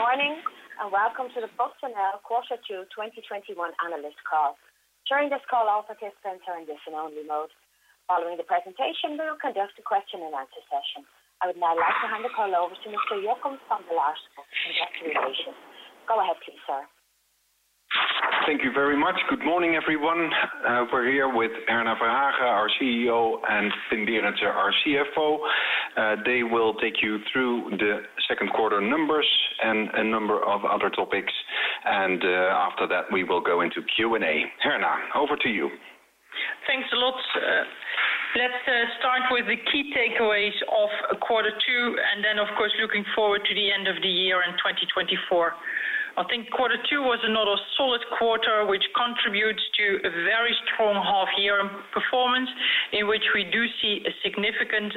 Good morning, Welcome to the PostNL Quarter 2 2021 Analyst Call. During this call, all participants are on listen-only mode. Following the presentation, we will conduct a question and answer session. I would now like to hand the call over to Mr. Jochem van de Laarschot for introduction. Go ahead please, sir. Thank you very much. Good morning, everyone. We're here with Herna Verhagen, our CEO, and Pim Berendsen, our CFO. They will take you through the second quarter numbers and a number of other topics. After that, we will go into Q and A. Herna, over to you. Thanks a lot. Let's start with the key takeaways of quarter two, then of course, looking forward to the end of the year in 2024. I think quarter two was another solid quarter, which contributes to a very strong half-year performance in which we do see a significant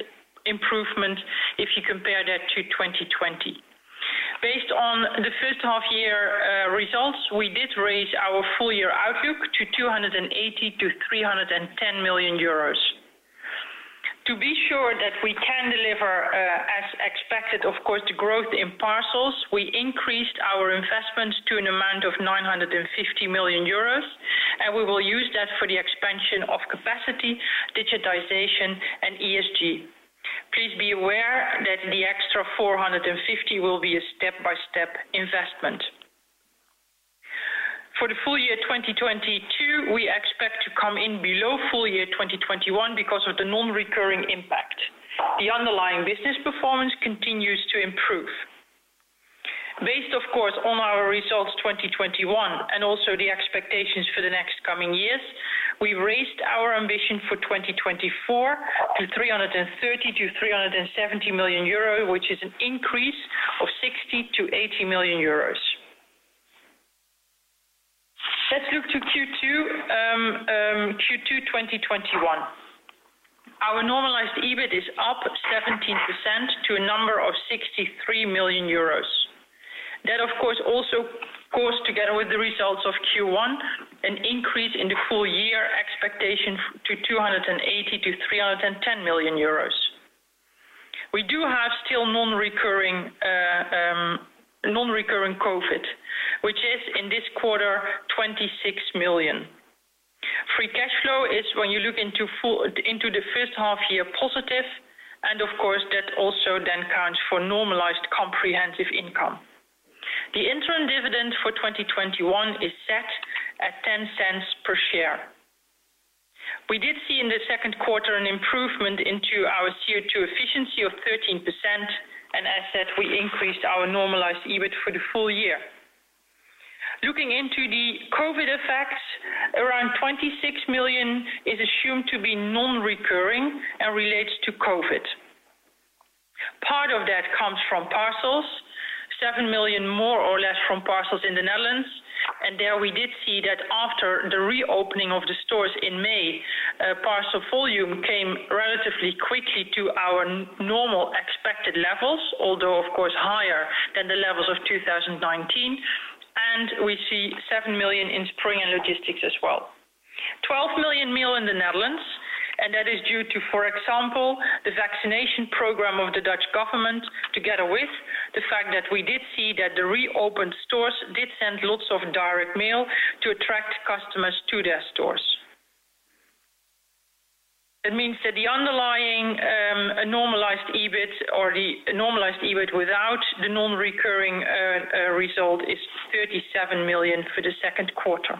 improvement if you compare that to 2020. Based on the first half-year results, we did raise our full-year outlook to 280 million-310 million euros. To be sure that we can deliver as expected, of course, the growth in parcels, we increased our investments to an amount of 950 million euros, we will use that for the expansion of capacity, digitization, and ESG. Please be aware that the extra 450 million will be a step-by-step investment. For the full-year 2022, we expect to come in below full-year 2021 because of the non-recurring impact. The underlying business performance continues to improve. Based, of course, on our results 2021 and also the expectations for the next coming years, we raised our ambition for 2024 to 330 million-370 million euro, which is an increase of 60 million-80 million euros. Let's look to Q2 2021. Our normalized EBIT is up 17% to a number of 63 million euros. That of course, also goes together with the results of Q1, an increase in the full year expectation to 280 million-310 million euros. We do have still non-recurring COVID, which is in this quarter, 26 million. Free cash flow is when you look into the first half year positive, and of course, that also then counts for normalized comprehensive income. The interim dividend for 2021 is set at 0.10 per share. We did see in the second quarter an improvement into our Q2 efficiency of 13%, and as said, we increased our normalized EBIT for the full year. Looking into the COVID effects, around 26 million is assumed to be non-recurring and relates to COVID. Part of that comes from parcels, 7 million, more or less from parcels in the Netherlands. There we did see that after the reopening of the stores in May, parcel volume came relatively quickly to our normal expected levels, although of course higher than the levels of 2019. We see 7 million in Spring and Logistics as well. 12 million mail in the Netherlands, and that is due to, for example, the vaccination program of the Dutch government, together with the fact that we did see that the reopened stores did send lots of direct mail to attract customers to their stores. That means that the underlying normalized EBIT or the normalized EBIT without the non-recurring result is 37 million for the second quarter.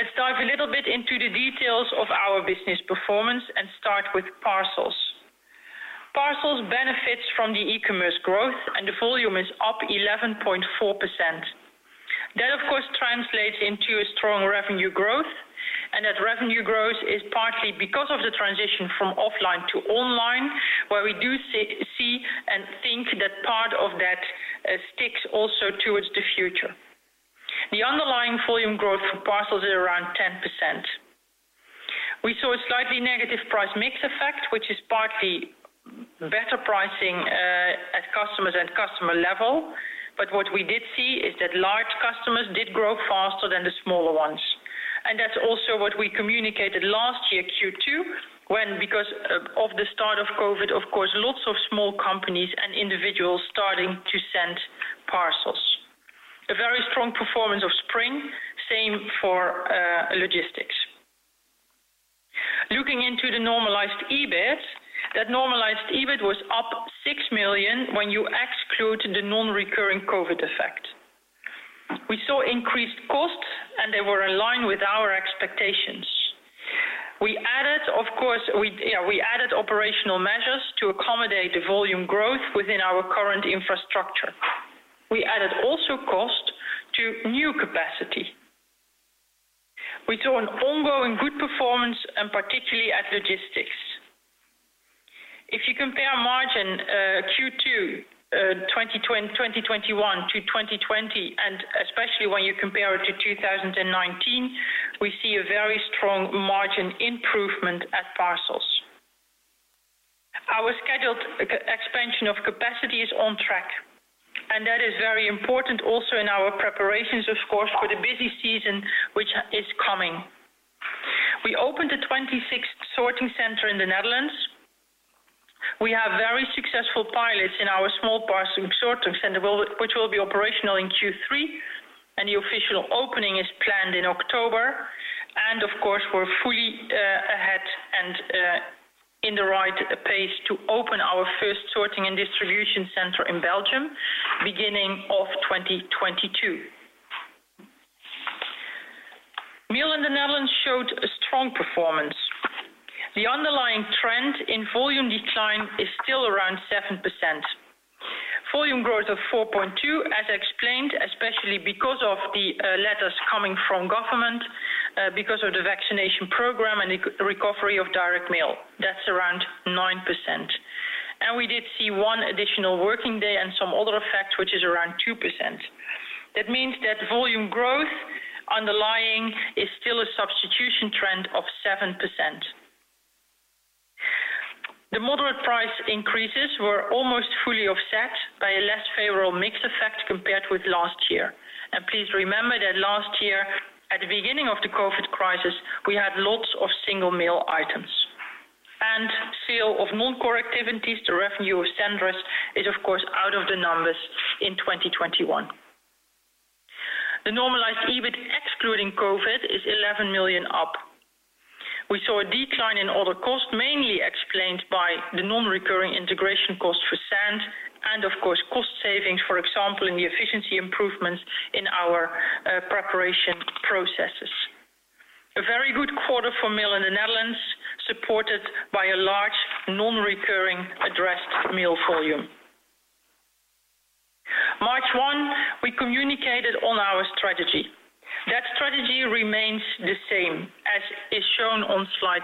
Let's dive a little bit into the details of our business performance and start with parcels. Parcels benefits from the e-commerce growth, and the volume is up 11.4%. That, of course, translates into a strong revenue growth. That revenue growth is partly because of the transition from offline to online, where we do see and think that part of that sticks also towards the future. The underlying volume growth for parcels is around 10%. We saw a slightly negative price mix effect, which is partly better pricing at customers and customer level. What we did see is that large customers did grow faster than the smaller ones. That's also what we communicated last year, Q2, when because of the start of COVID, of course, lots of small companies and individuals starting to send parcels. A very strong performance of Spring, same for logistics. Looking into the normalized EBIT, that normalized EBIT was up 6 million when you exclude the non-recurring COVID effect. We saw increased costs, and they were in line with our expectations. We added operational measures to accommodate the volume growth within our current infrastructure. We added also cost to new capacity. We saw an ongoing good performance, and particularly at logistics. If you compare margin Q2 2021 to 2020, and especially when you compare it to 2019, we see a very strong margin improvement at parcels. Our scheduled expansion of capacity is on track. That is very important also in our preparations, of course, for the busy season which is coming. We opened a 26th sorting center in the Netherlands. We have very successful pilots in our small parcel sorting center, which will be operational in Q3, and the official opening is planned in October. Of course, we're fully ahead and in the right pace to open our first sorting and distribution center in Belgium beginning of 2022. Mail in the Netherlands showed a strong performance. The underlying trend in volume decline is still around 7%. Volume growth of 4.2% as explained, especially because of the letters coming from government, because of the vaccination program and the recovery of direct mail. That's around 9%. We did see one additional working day and some other effects, which is around 2%. That means that volume growth underlying is still a substitution trend of 7%. The moderate price increases were almost fully offset by a less favorable mix effect compared with last year. Please remember that last year at the beginning of the COVID crisis, we had lots of single mail items. Sale of non-core activities, the revenue of Cendris is, of course, out of the numbers in 2021. The normalized EBIT excluding COVID is 11 million up. We saw a decline in other costs, mainly explained by the non-recurring integration cost for Sandd, and of course, cost savings, for example, in the efficiency improvements in our preparation processes. A very good quarter for Mail in the Netherlands, supported by a large non-recurring addressed mail volume. March 1, we communicated on our strategy. That strategy remains the same as is shown on slide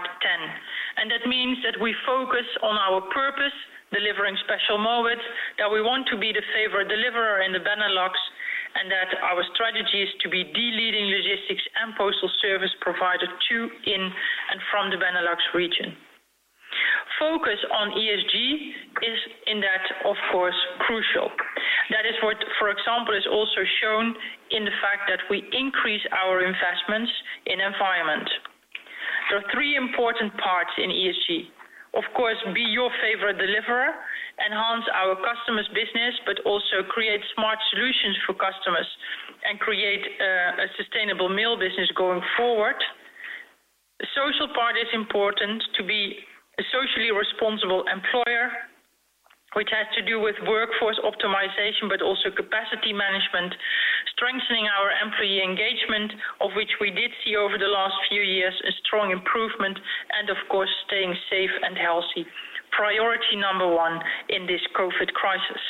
10. That means that we focus on our purpose, delivering special moments, that we want to be the favorite deliverer in the Benelux, and that our strategy is to be the leading logistics and postal service provider to, in, and from the Benelux region. Focus on ESG is in that, of course, crucial. That is what, for example, is also shown in the fact that we increase our investments in environment. There are three important parts in ESG. Be your favorite deliverer, enhance our customers' business, but also create smart solutions for customers and create a sustainable mail business going forward. The social part is important to be a socially responsible employer, which has to do with workforce optimization, but also capacity management, strengthening our employee engagement, of which we did see over the last few years a strong improvement, and of course, staying safe and healthy. Priority number one in this COVID crisis.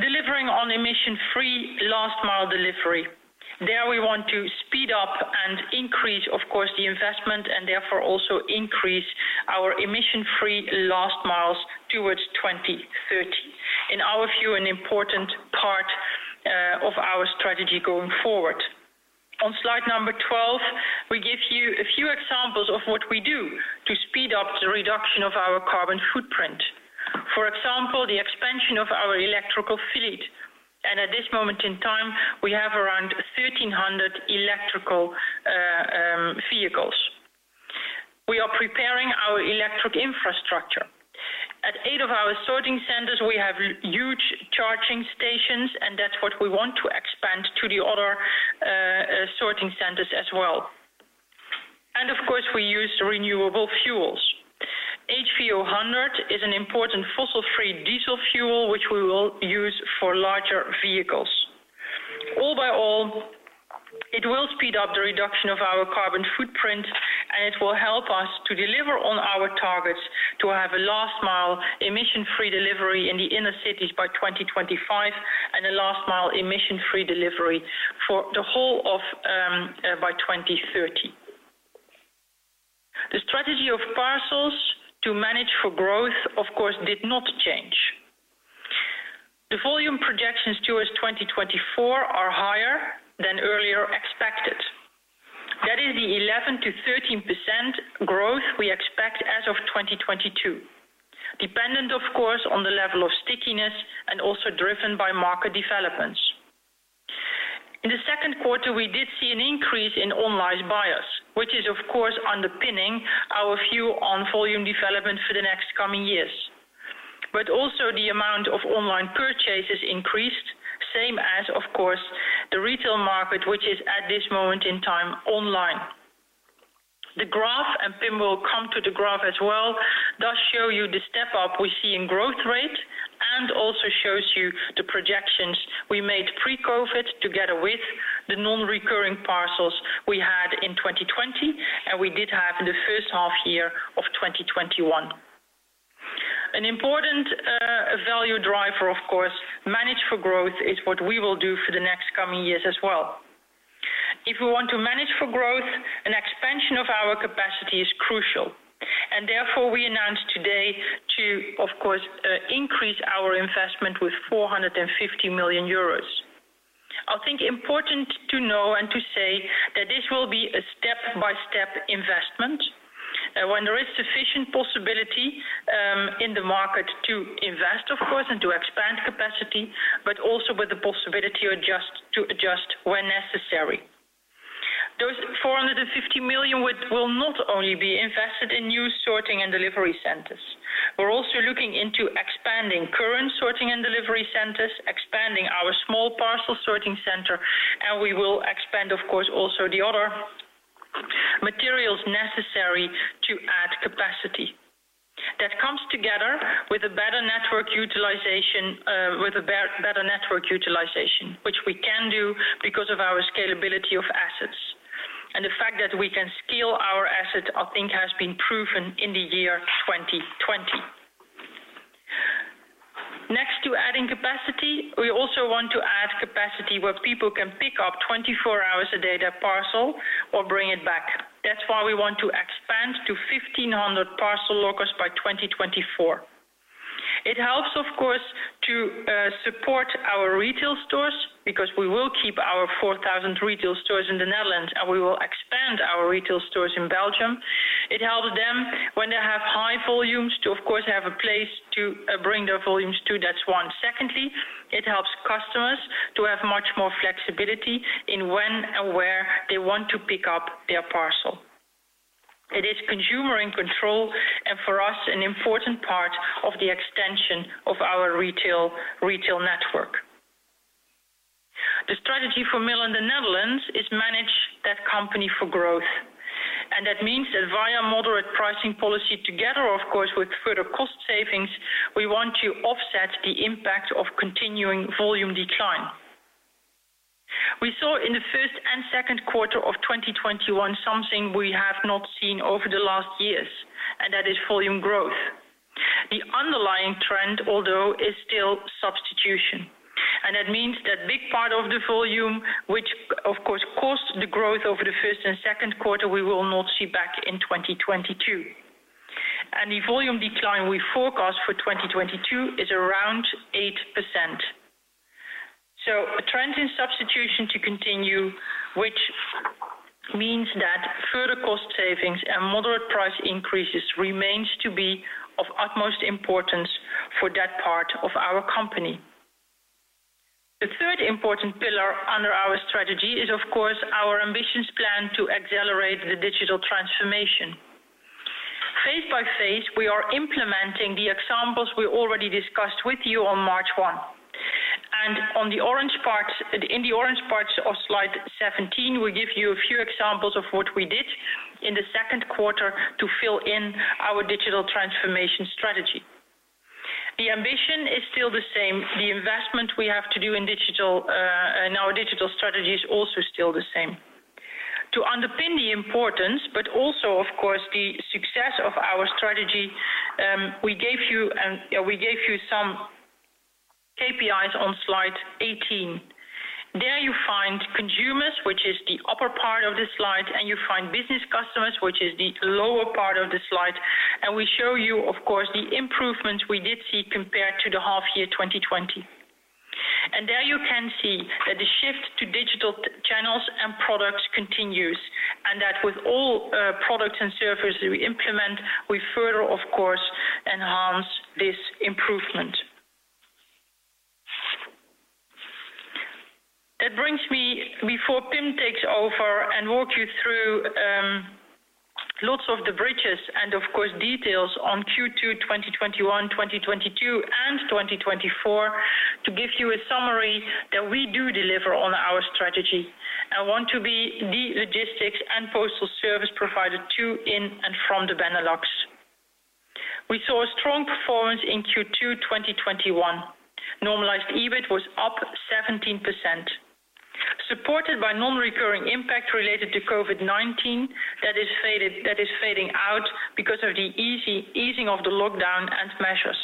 Delivering on emission-free last-mile delivery. There we want to speed up and increase, of course, the investment and therefore also increase our emission-free last miles towards 2030. In our view, an important part of our strategy going forward. On slide number 12, we give you a few examples of what we do to speed up the reduction of our carbon footprint. For example, the expansion of our electrical fleet. At this moment in time, we have around 1,300 electrical vehicles. We are preparing our electric infrastructure. At eight of our sorting centers, we have huge charging stations, and that's what we want to expand to the other sorting centers as well. Of course, we use renewable fuels. HVO100 is an important fossil-free diesel fuel, which we will use for larger vehicles. All by all, it will speed up the reduction of our carbon footprint. It will help us to deliver on our targets to have a last-mile emission-free delivery in the inner cities by 2025 and a last-mile emission-free delivery for the whole by 2030. The strategy of parcels to manage for growth, of course, did not change. The volume projections towards 2024 are higher than earlier expected. That is the 11%-13% growth we expect as of 2022, dependent, of course, on the level of stickiness and also driven by market developments. In the second quarter, we did see an increase in online buyers, which is of course underpinning our view on volume development for the next coming years. Also the amount of online purchases increased, same as, of course, the retail market, which is at this moment in time online. The graph, and Pim will come to the graph as well, does show you the step up we see in growth rate and also shows you the projections we made pre-COVID together with the non-recurring parcels we had in 2020, and we did have in the first half year of 2021. An important value driver, of course, manage for growth is what we will do for the next coming years as well. If we want to manage for growth, an expansion of our capacity is crucial. Therefore, we announced today to, of course, increase our investment with 450 million euros. I think important to know and to say. The this will be a step-by-step investment. When there is sufficient possibility in the market to invest, of course, and to expand capacity, but also with the possibility to adjust when necessary. Those 450 million will not only be invested in new sorting and delivery centers. We're also looking into expanding current sorting and delivery centers, expanding our small parcel sorting center, and we will expand, of course, also the other materials necessary to add capacity. That comes together with a better network utilization, which we can do because of our scalability of assets. The fact that we can scale our assets, I think, has been proven in the year 2020. Next to adding capacity, we also want to add capacity where people can pick up 24 hours a day their parcel or bring it back. That's why we want to expand to 1,500 parcel lockers by 2024. It helps, of course, to support our retail stores because we will keep our 4,000 retail stores in the Netherlands, and we will expand our retail stores in Belgium. It helps them when they have high volumes to, of course, have a place to bring their volumes to. That's one. It helps customers to have much more flexibility in when and where they want to pick up their parcel. It is consumer in control, and for us, an important part of the extension of our retail network. The strategy for mail in the Netherlands is manage that company for growth. That means that via moderate pricing policy together, of course, with further cost savings, we want to offset the impact of continuing volume decline. We saw in first and second quarter of 2021, something we have not seen over the last years, and that is volume growth. The underlying trend, although, is still substitution. That means that big part of the volume, which of course, caused the growth over the first and second quarter, we will not see back in 2022. The volume decline we forecast for 2022 is around 8%. The trends in substitution to continue, which means that further cost savings and moderate price increases remains to be of utmost importance for that part of our company. The third important pillar under our strategy is, of course, our ambitions plan to accelerate the digital transformation. Phase by phase, we are implementing the examples we already discussed with you on March 1. In the orange parts of slide 17, we give you a few examples of what we did in the second quarter to fill in our digital transformation strategy. The ambition is still the same. The investment we have to do in our digital strategy is also still the same. To underpin the importance, but also of course, the success of our strategy, we gave you some KPIs on slide 18. There you find consumers, which is the upper part of the slide, and you find business customers, which is the lower part of the slide. We show you, of course, the improvements we did see compared to the half year 2020. There you can see that the shift to digital channels and products continues, and that with all products and services we implement, we further, of course, enhance this improvement. That brings me, before Pim takes over and walk you through lots of the bridges and, of course, details on Q2 2021, 2022, and 2024, to give you a summary that we do deliver on our strategy and want to be the logistics and postal service provider to, in, and from the Benelux. We saw a strong performance in Q2 2021. Normalized EBIT was up 17%, supported by non-recurring impact related to COVID-19 that is fading out because of the easing of the lockdown and measures.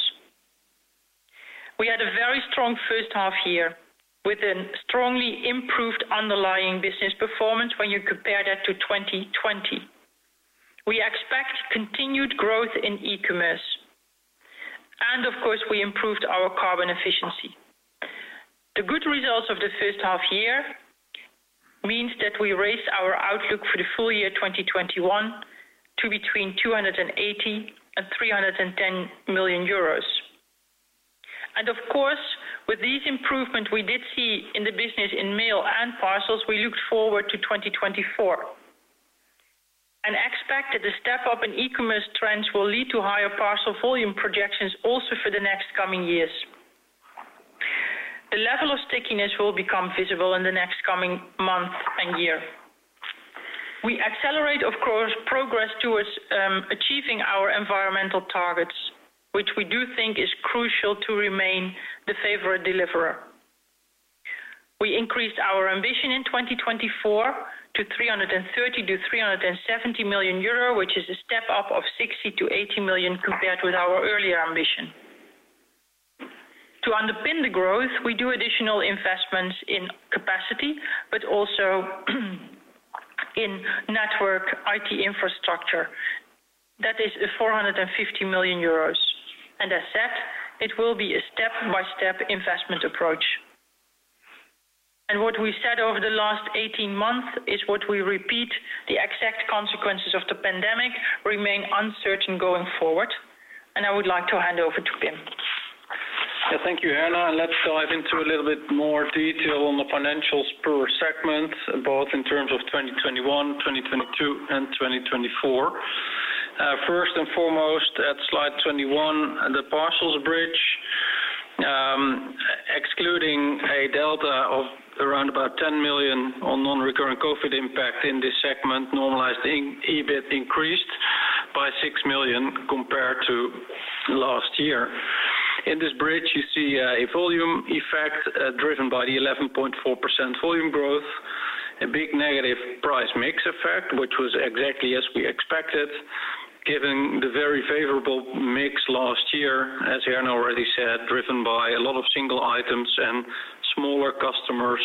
We had a very strong first half year with a strongly improved underlying business performance when you compare that to 2020. Of course, we improved our carbon efficiency. The good results of the first half year means that we raised our outlook for the full year 2021 to between 280 million and 310 million euros. Of course, with these improvements we did see in the business in mail and parcels, we looked forward to 2024 and expect that the step up in e-commerce trends will lead to higher parcel volume projections also for the next coming years. The level of stickiness will become visible in the next coming month and year. We accelerate, of course, progress towards achieving our environmental targets, which we do think is crucial to remain the favorite deliverer. We increased our ambition in 2024 to 330 million-370 million euro, which is a step up of 60 million-80 million compared with our earlier ambition. To underpin the growth, we do additional investments in capacity, but also in network IT infrastructure. That is 450 million euros. As said, it will be a step-by-step investment approach. What we said over the last 18 months is what we repeat, the exact consequences of the pandemic remain uncertain going forward. I would like to hand over to Pim. Thank you, Herna. Let's dive into a little bit more detail on the financials per segment, both in terms of 2021, 2022, and 2024. First and foremost, at slide 21, the parcels bridge, excluding a delta of around about 10 million on non-recurring COVID impact in this segment, normalized EBIT increased by 6 million compared to last year. In this bridge, you see a volume effect driven by the 11.4% volume growth, a big negative price mix effect, which was exactly as we expected, given the very favorable mix last year, as Herna already said, driven by a lot of single items and smaller customers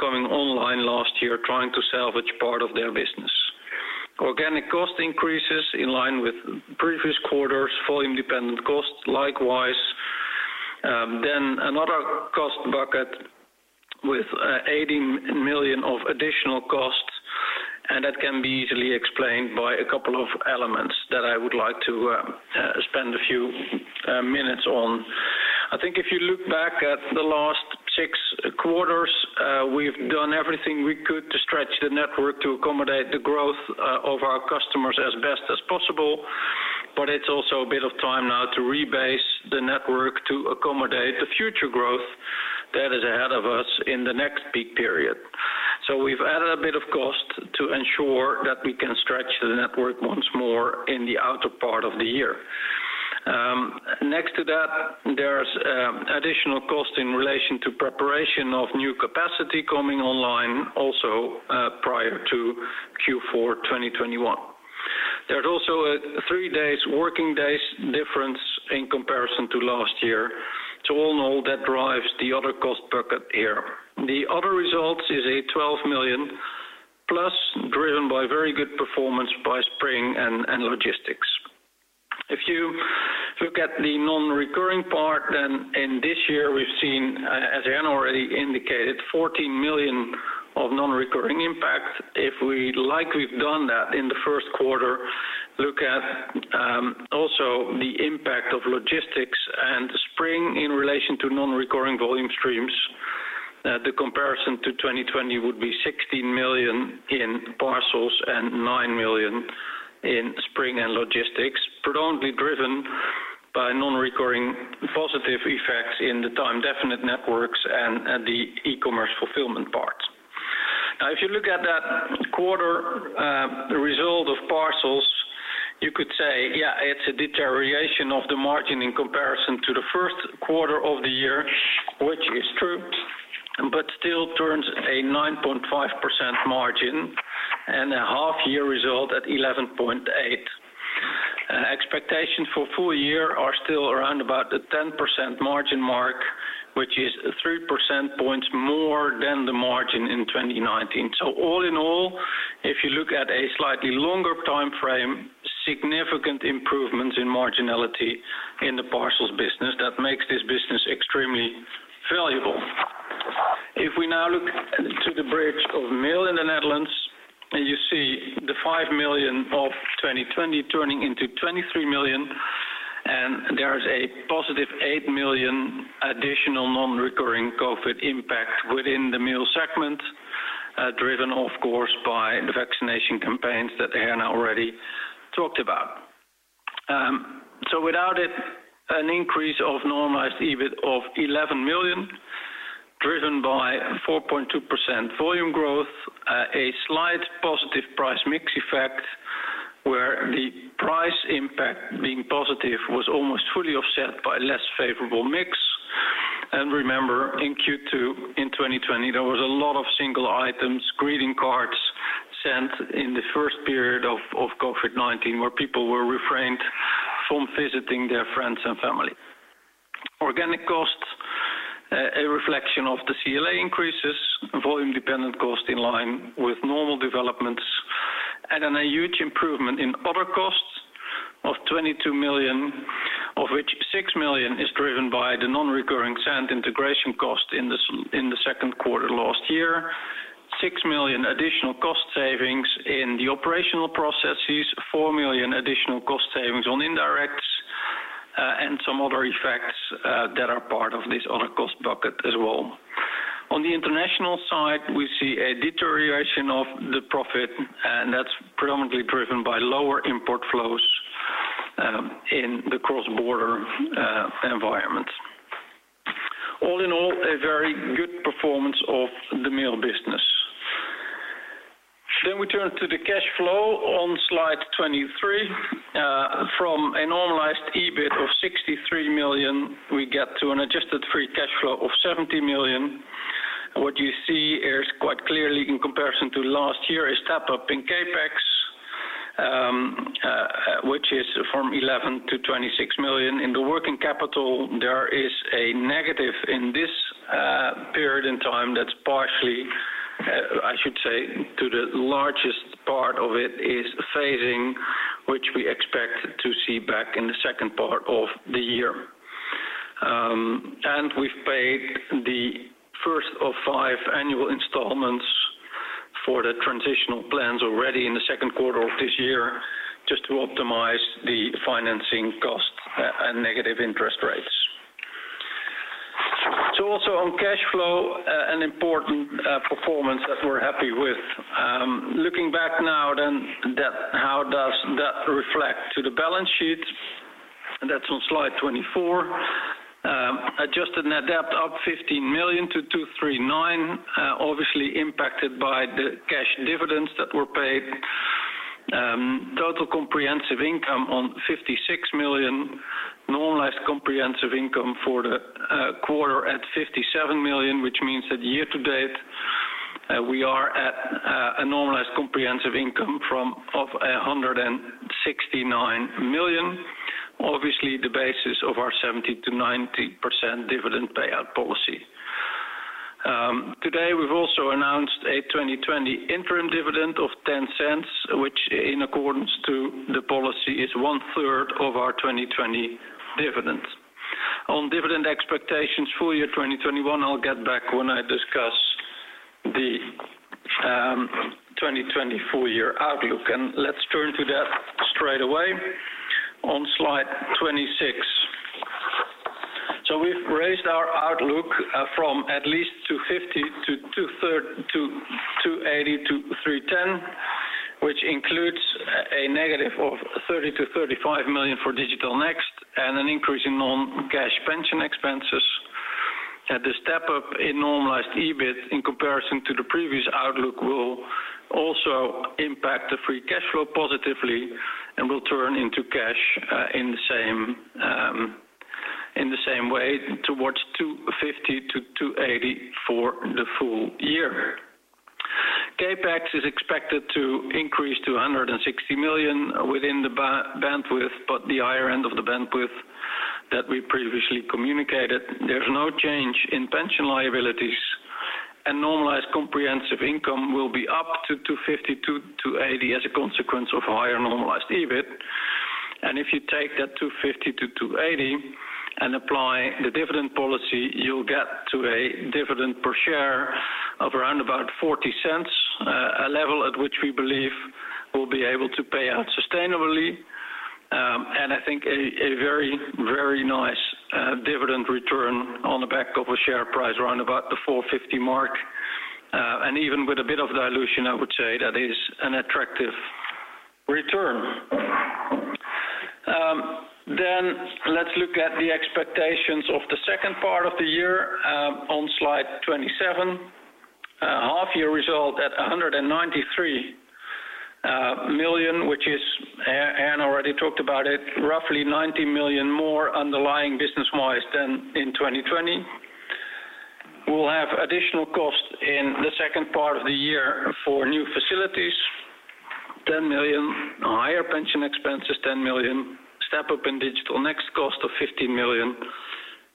going online last year trying to salvage part of their business. Organic cost increases in line with previous quarters, volume-dependent costs, likewise. Another cost bucket with 18 million of additional costs, and that can be easily explained by a couple of elements that I would like to spend a few minutes on. I think if you look back at the last six quarters, we've done everything we could to stretch the network to accommodate the growth of our customers as best as possible. It's also a bit of time now to rebase the network to accommodate the future growth that is ahead of us in the next peak period. We've added a bit of cost to ensure that we can stretch the network once more in the outer part of the year. Next to that, there's additional cost in relation to preparation of new capacity coming online also, prior to Q4 2021. There's also a three working days difference in comparison to last year. All in all, that drives the other cost bucket here. The other results is a 12 million plus, driven by very good performance by Spring and Logistics. If you look at the non-recurring part, in this year, we've seen, as Herna already indicated, 14 million of non-recurring impact. If we, like we've done that in the first quarter, look at also the impact of logistics and Spring in relation to non-recurring volume streams, the comparison to 2020 would be 16 million in parcels and 9 million in Spring and Logistics, predominantly driven by non-recurring positive effects in the time definite networks and the e-commerce fulfillment part. If you look at that quarter result of parcels, you could say, yeah, it's a deterioration of the margin in comparison to the first quarter of the year, which is true, but still turns a 9.5% margin and a half year result at 11.8%. Expectations for full year are still around about the 10% margin mark, which is 3% points more than the margin in 2019. All in all, if you look at a slightly longer timeframe, significant improvements in marginality in the parcels business, that makes this business extremely valuable. If we now look to the bridge of mail in the Netherlands, and you see the 5 million of 2020 turning into 23 million, and there is a positive 8 million additional non-recurring COVID impact within the mail segment, driven of course by the vaccination campaigns that Herna already talked about. Without it, an increase of normalized EBIT of 11 million, driven by 4.2% volume growth, a slight positive price mix effect, where the price impact being positive was almost fully offset by less favorable mix. Remember, in Q2 in 2020, there was a lot of single items, greeting cards sent in the first period of COVID-19, where people were refrained from visiting their friends and family. Organic costs, a reflection of the CLA increases, volume-dependent cost in line with normal developments, and then a huge improvement in other costs of 22 million, of which 6 million is driven by the non-recurring Sandd integration cost in the second quarter last year, 6 million additional cost savings in the operational processes, 4 million additional cost savings on indirects, and some other effects that are part of this other cost bucket as well. On the international side, we see a deterioration of the profit. That's predominantly driven by lower import flows in the cross-border environment. All in all, a very good performance of the mail business. We turn to the cash flow on slide 23. From a normalized EBIT of 63 million, we get to an adjusted free cash flow of 70 million. What you see here is quite clearly in comparison to last year, a step-up in CapEx, which is from 11 million-26 million. In the working capital, there is a negative in this period in time that's partially, I should say, to the largest part of it is phasing, which we expect to see back in the second part of the year. We've paid the first of five annual installments for the transitional plans already in the second quarter of this year, just to optimize the financing cost and negative interest rates. Also on cash flow, an important performance that we're happy with. Looking back now then, how does that reflect to the balance sheet? That's on slide 24. Adjusted net debt up 15 million to 239 million, obviously impacted by the cash dividends that were paid. Total comprehensive income on 56 million. Normalized comprehensive income for the quarter at 57 million, which means that year to date, we are at a normalized comprehensive income of 169 million. Obviously, the basis of our 70%-90% dividend payout policy. Today, we've also announced a 2020 interim dividend of 0.10, which in accordance to the policy is 1/3 of our 2020 dividend. On dividend expectations full year 2021, I'll get back when I discuss the 2020 full year outlook. Let's turn to that straight away on slide 26. We raised our outlook from at least 250 million to 280 million-310 million, which includes a negative of 30 million-35 million for Digital Next and an increase in non-cash pension expenses. The step-up in normalized EBIT in comparison to the previous outlook will also impact the free cash flow positively and will turn into cash in the same way towards 250 million-280 million for the full year. CapEx is expected to increase to 160 million within the bandwidth, but the higher end of the bandwidth that we previously communicated. There's no change in pension liabilities, normalized comprehensive income will be up to 250 million-280 million as a consequence of higher normalized EBIT. If you take that 250 million-280 million and apply the dividend policy, you'll get to a dividend per share of around about 0.40, a level at which we believe we'll be able to pay out sustainably. I think a very nice dividend return on the back of a share price around about the 450 million mark. Even with a bit of dilution, I would say that is an attractive return. Let's look at the expectations of the second part of the year on slide 27. Half year result at 193 million, which is, Herna already talked about it, roughly 90 million more underlying business wise than in 2020. We'll have additional costs in the second part of the year for new facilities, 10 million. Higher pension expenses, 10 million. Step-up in Digital Next cost of 15 million,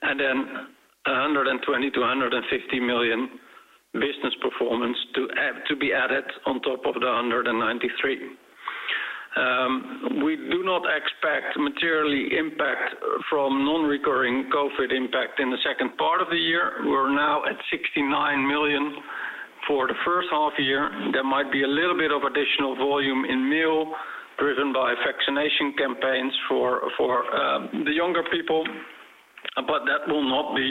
120 million-150 million business performance to be added on top of 193 million. We do not expect materially impact from non-recurring COVID impact in the second part of the year. We're now at 69 million for the first half year. There might be a little bit of additional volume in Mail driven by vaccination campaigns for the younger people, that will not be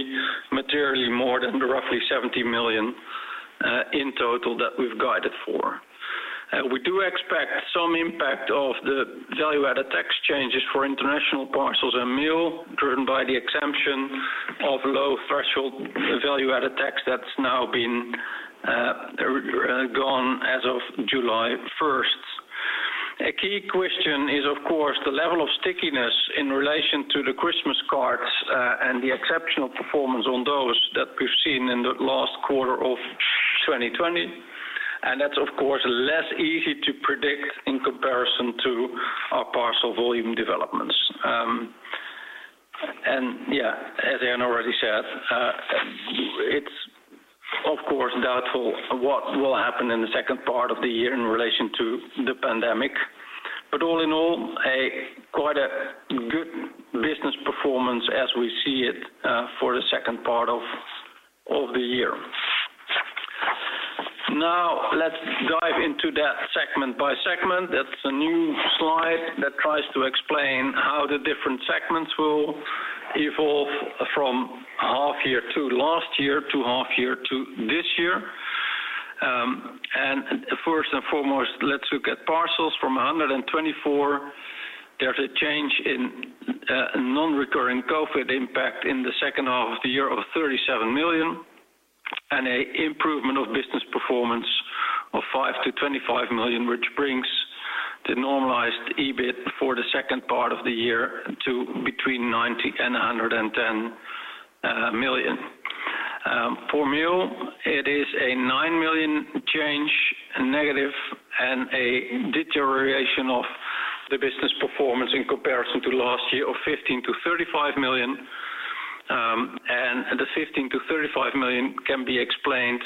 materially more than the roughly 70 million in total that we've guided for. We do expect some impact of the value-added tax changes for international parcels and Mail driven by the exemption of low-threshold value-added tax that's now been gone as of July 1st. A key question is, of course, the level of stickiness in relation to the Christmas cards and the exceptional performance on those that we've seen in the last quarter of 2020. That's, of course, less easy to predict in comparison to our parcel volume developments. Yeah, as Herna already said, it's of course doubtful what will happen in the second part of the year in relation to the pandemic. All in all, quite a good business performance as we see it for the second part of the year. Now, let's dive into that segment by segment. That's a new slide that tries to explain how the different segments will evolve from half year to last year, to half year to this year. First and foremost, let's look at parcels from 124 million. There's a change in non-recurring COVID impact in the second half of the year of 37 million and a improvement of business performance of 5 million-25 million, which brings the normalized EBIT for the second part of the year to between 90 million and 110 million. For Mail, it is a 9 million negative change and a deterioration of the business performance in comparison to last year of 15 million-35 million. The 15 million-35 million can be explained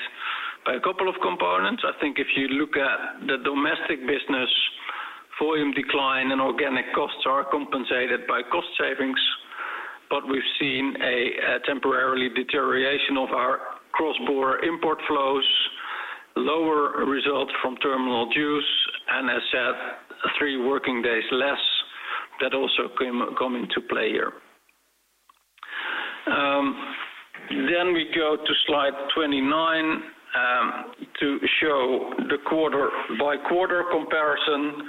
by a couple of components. If you look at the domestic business, volume decline and organic costs are compensated by cost savings. We've seen a temporary deterioration of our cross-border import flows, lower result from terminal dues, and as said, threeworking days less that also come into play here. Then we go to slide 29 to show the quarter-by-quarter comparison.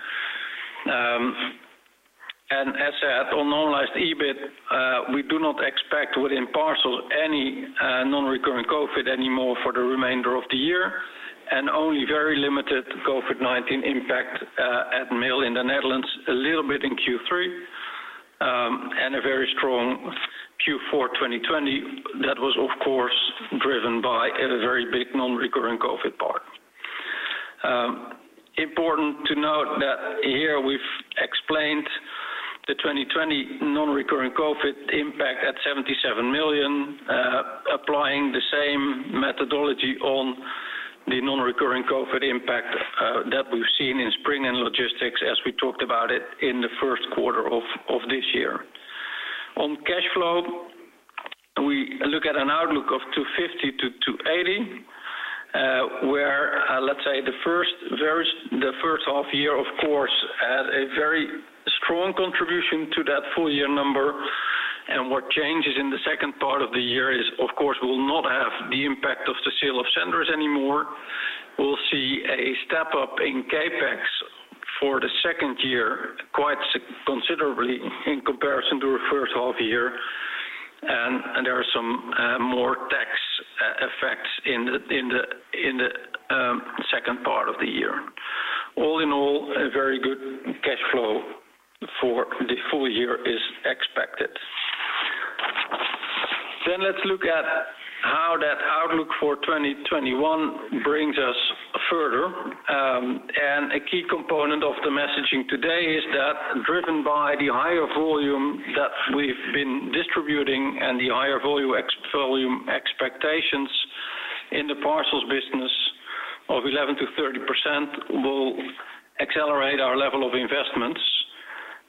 As said, on normalized EBIT, we do not expect within parcels any non-recurring COVID anymore for the remainder of the year, and only very limited COVID-19 impact at Mail in the Netherlands, a little bit in Q3, and a very strong Q4 2020, that was of course driven by a very big non-recurring COVID part. Important to note that here we've explained the 2020 non-recurring COVID impact at 77 million, applying the same methodology on the non-recurring COVID impact that we've seen in Spring and Logistics as we talked about it in the first quarter of this year. On cash flow, we look at an outlook of 250 million-280 million, where, let's say the first half year, of course, had a very strong contribution to that full year number. What changes in the second part of the year is, of course, we will not have the impact of the sale of Cendris anymore. We'll see a step up in CapEx for the second year, quite considerably in comparison to the first half year. There are some more tax effects in the second part of the year. All in all, a very good cash flow for the full year is expected. Let's look at how that outlook for 2021 brings us further. A key component of the messaging today is that driven by the higher volume that we've been distributing and the higher volume expectations in the parcels business of 11%-30% will accelerate our level of investments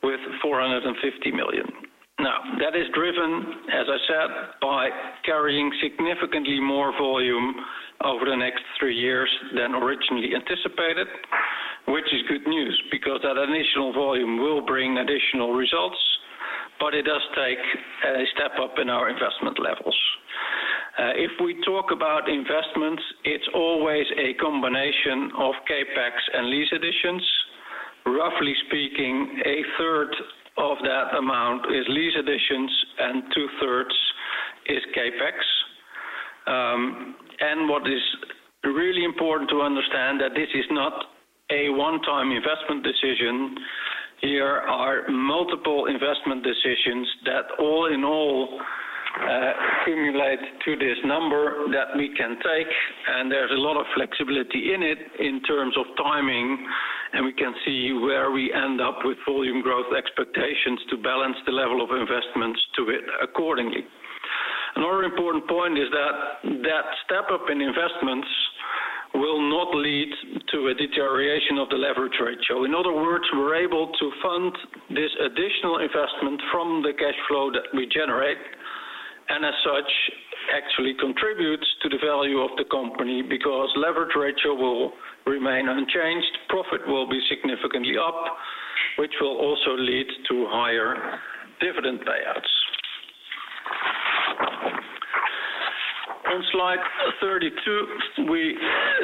with 450 million. That is driven, as I said, by carrying significantly more volume over the next three years than originally anticipated, which is good news because that additional volume will bring additional results. It does take a step up in our investment levels. If we talk about investments, it's always a combination of CapEx and lease additions. Roughly speaking, a third of that amount is lease additions and 2/3 is CapEx. What is really important to understand that this is not a one-time investment decision. Here are multiple investment decisions that all in all, accumulate to this number that we can take. There's a lot of flexibility in it in terms of timing. We can see where we end up with volume growth expectations to balance the level of investments to it accordingly. Another important point is that that step up in investments will not lead to a deterioration of the leverage ratio. In other words, we're able to fund this additional investment from the cash flow that we generate, and as such, actually contributes to the value of the company because leverage ratio will remain unchanged. Profit will be significantly up, which will also lead to higher dividend payouts. On slide 32, we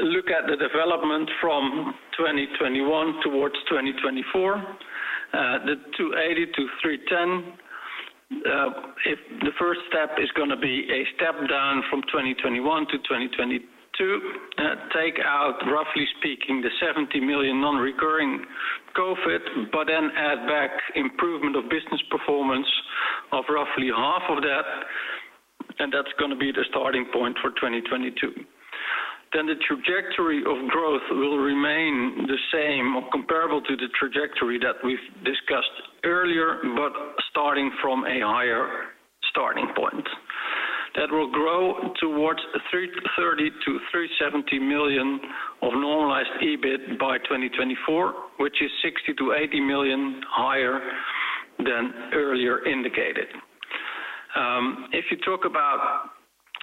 look at the development from 2021 towards 2024, the 280-310. The first step is going to be a step down from 2021 to 2022. Take out, roughly speaking, the 70 million non-recurring COVID, but then add back improvement of business performance of roughly half of that, and that's going to be the starting point for 2022. The trajectory of growth will remain the same or comparable to the trajectory that we've discussed earlier, but starting from a higher starting point. That will grow towards 330 million-370 million of normalized EBIT by 2024, which is 60million-80 million higher than earlier indicated. If you talk about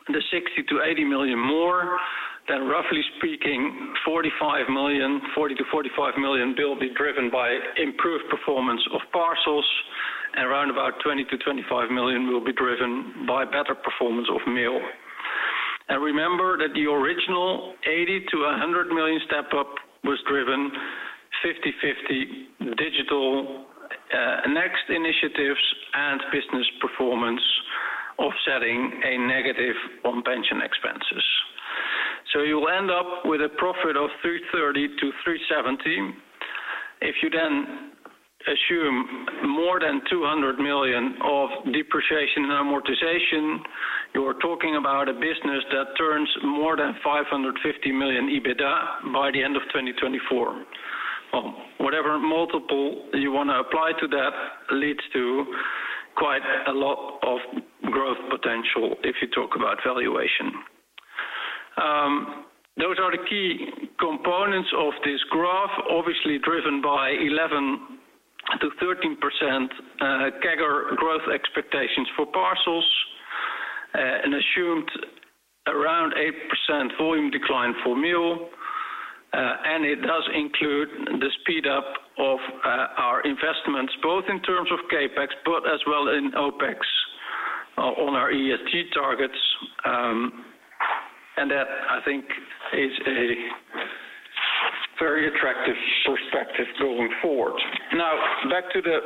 the 60million-80 million more, then roughly speaking, 40million-45 million will be driven by improved performance of parcels and around about 20million-25 million will be driven by better performance of mail. Remember that the original 80million-100 million step-up was driven 50/50 Digital Next initiatives and business performance offsetting a negative on pension expenses. You will end up with a profit of 330million-370 million. If you assume more than 200 million of depreciation and amortization, you are talking about a business that turns more than 550 million EBITDA by the end of 2024. Whatever multiple you want to apply to that leads to quite a lot of growth potential if you talk about valuation. Those are the key components of this graph, obviously driven by 11%-13% CAGR growth expectations for parcels, an assumed around 8% volume decline for mail. It does include the speed up of our investments, both in terms of CapEx, but as well in OpEx on our ESG targets. That, I think is a very attractive perspective going forward. Back to the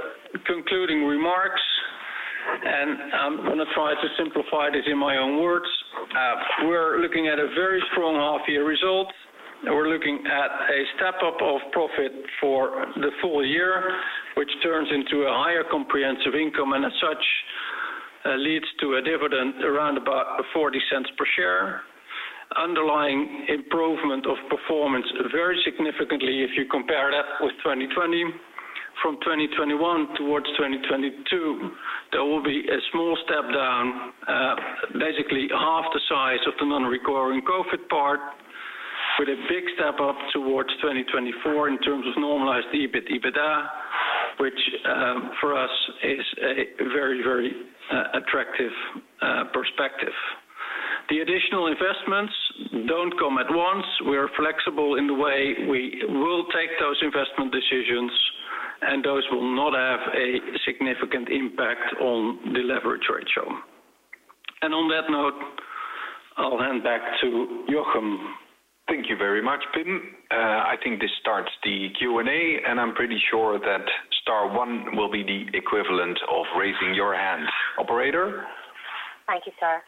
concluding remarks, I'm going to try to simplify this in my own words. We're looking at a very strong half year result. We're looking at a step-up of profit for the full year, which turns into a higher comprehensive income, and as such, leads to a dividend around about 0.40 per share. Underlying improvement of performance very significantly if you compare that with 2020. From 2021 towards 2022, there will be a small step down, basically half the size of the non-recurring COVID part, with a big step-up towards 2024 in terms of normalized EBIT, EBITDA, which for us is a very attractive perspective. The additional investments don't come at once. We are flexible in the way we will take those investment decisions, and those will not have a significant impact on the leverage ratio. On that note, I'll hand back to Jochem. Thank you very much, Pim. I think this starts the Q and A, and I'm pretty sure that star one will be the equivalent of raising your hand. Operator? Thank you, sir.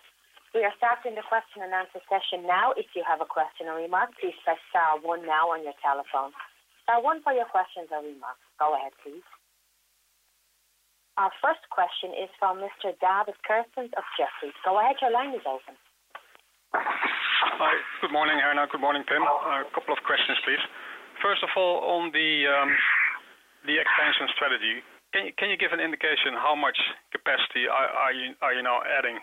We are starting the question and answer session now. If you have a question or remark, please press star one now on your telephone. Star one for your questions or remarks. Go ahead, please. Our first question is from Mr. David Kerstens of Jefferies. Go ahead, your line is open. Hi. Good morning, Herna. Good morning, Pim. A couple of questions, please. On the expansion strategy, can you give an indication how much capacity are you now adding?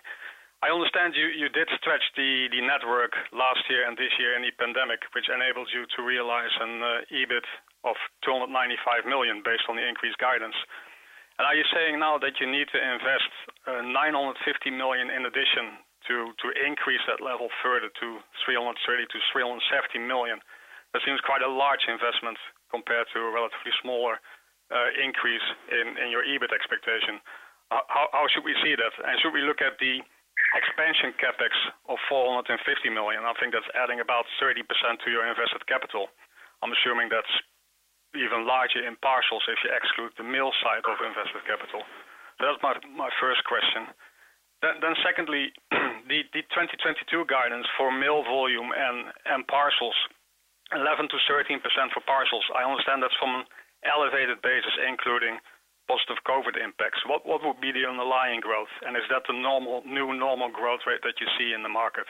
I understand you did stretch the network last year and this year in the pandemic, which enables you to realize an EBIT of 295 million based on the increased guidance. Are you saying now that you need to invest 950 million in addition to increase that level further to 330 million-370 million? That seems quite a large investment compared to a relatively smaller increase in your EBIT expectation. How should we see that? Should we look at the expansion CapEx of 450 million? I think that's adding about 30% to your invested capital. I'm assuming that's even larger in parcels if you exclude the mail side of invested capital. That was my first question. Secondly, the 2022 guidance for mail volume and parcels, 11%-13% for parcels. I understand that's from an elevated basis, including positive COVID impacts. What would be the underlying growth? Is that the new normal growth rate that you see in the market?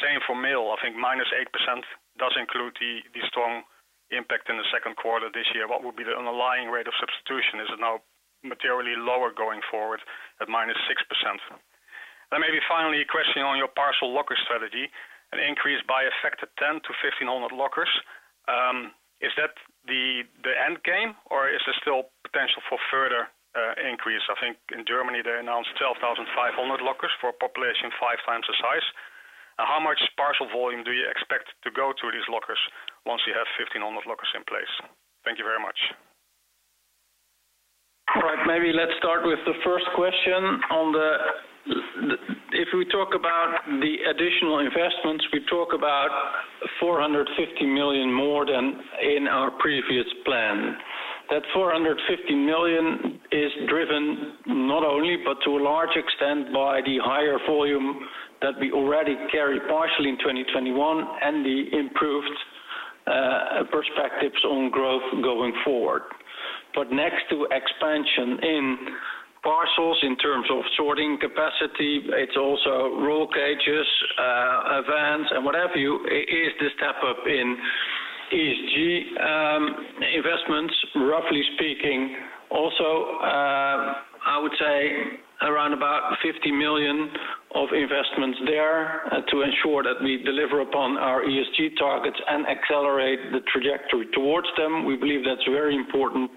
Same for mail, I think -8% does include the strong impact in the second quarter this year. What would be the underlying rate of substitution? Is it now materially lower going forward at -6%? Maybe finally, a question on your parcel locker strategy, an increase by a factor 10 to 1,500 lockers. Is that the end game or is there still potential for further increase? I think in Germany they announced 12,500 lockers for a population 5x the size. How much parcel volume do you expect to go to these lockers once you have 1,500 lockers in place? Thank you very much. All right. Maybe let's start with the first question. If we talk about the additional investments, we talk about 450 million more than in our previous plan. That 450 million is driven not only, but to a large extent by the higher volume that we already carry partially in 2021 and the improved perspectives on growth going forward. Next to expansion in parcels in terms of sorting capacity, it's also roll cages, vans, and what have you, is the step-up in ESG investments, roughly speaking. Also, I would say around about 50 million of investments there to ensure that we deliver upon our ESG targets and accelerate the trajectory towards them. We believe that's very important.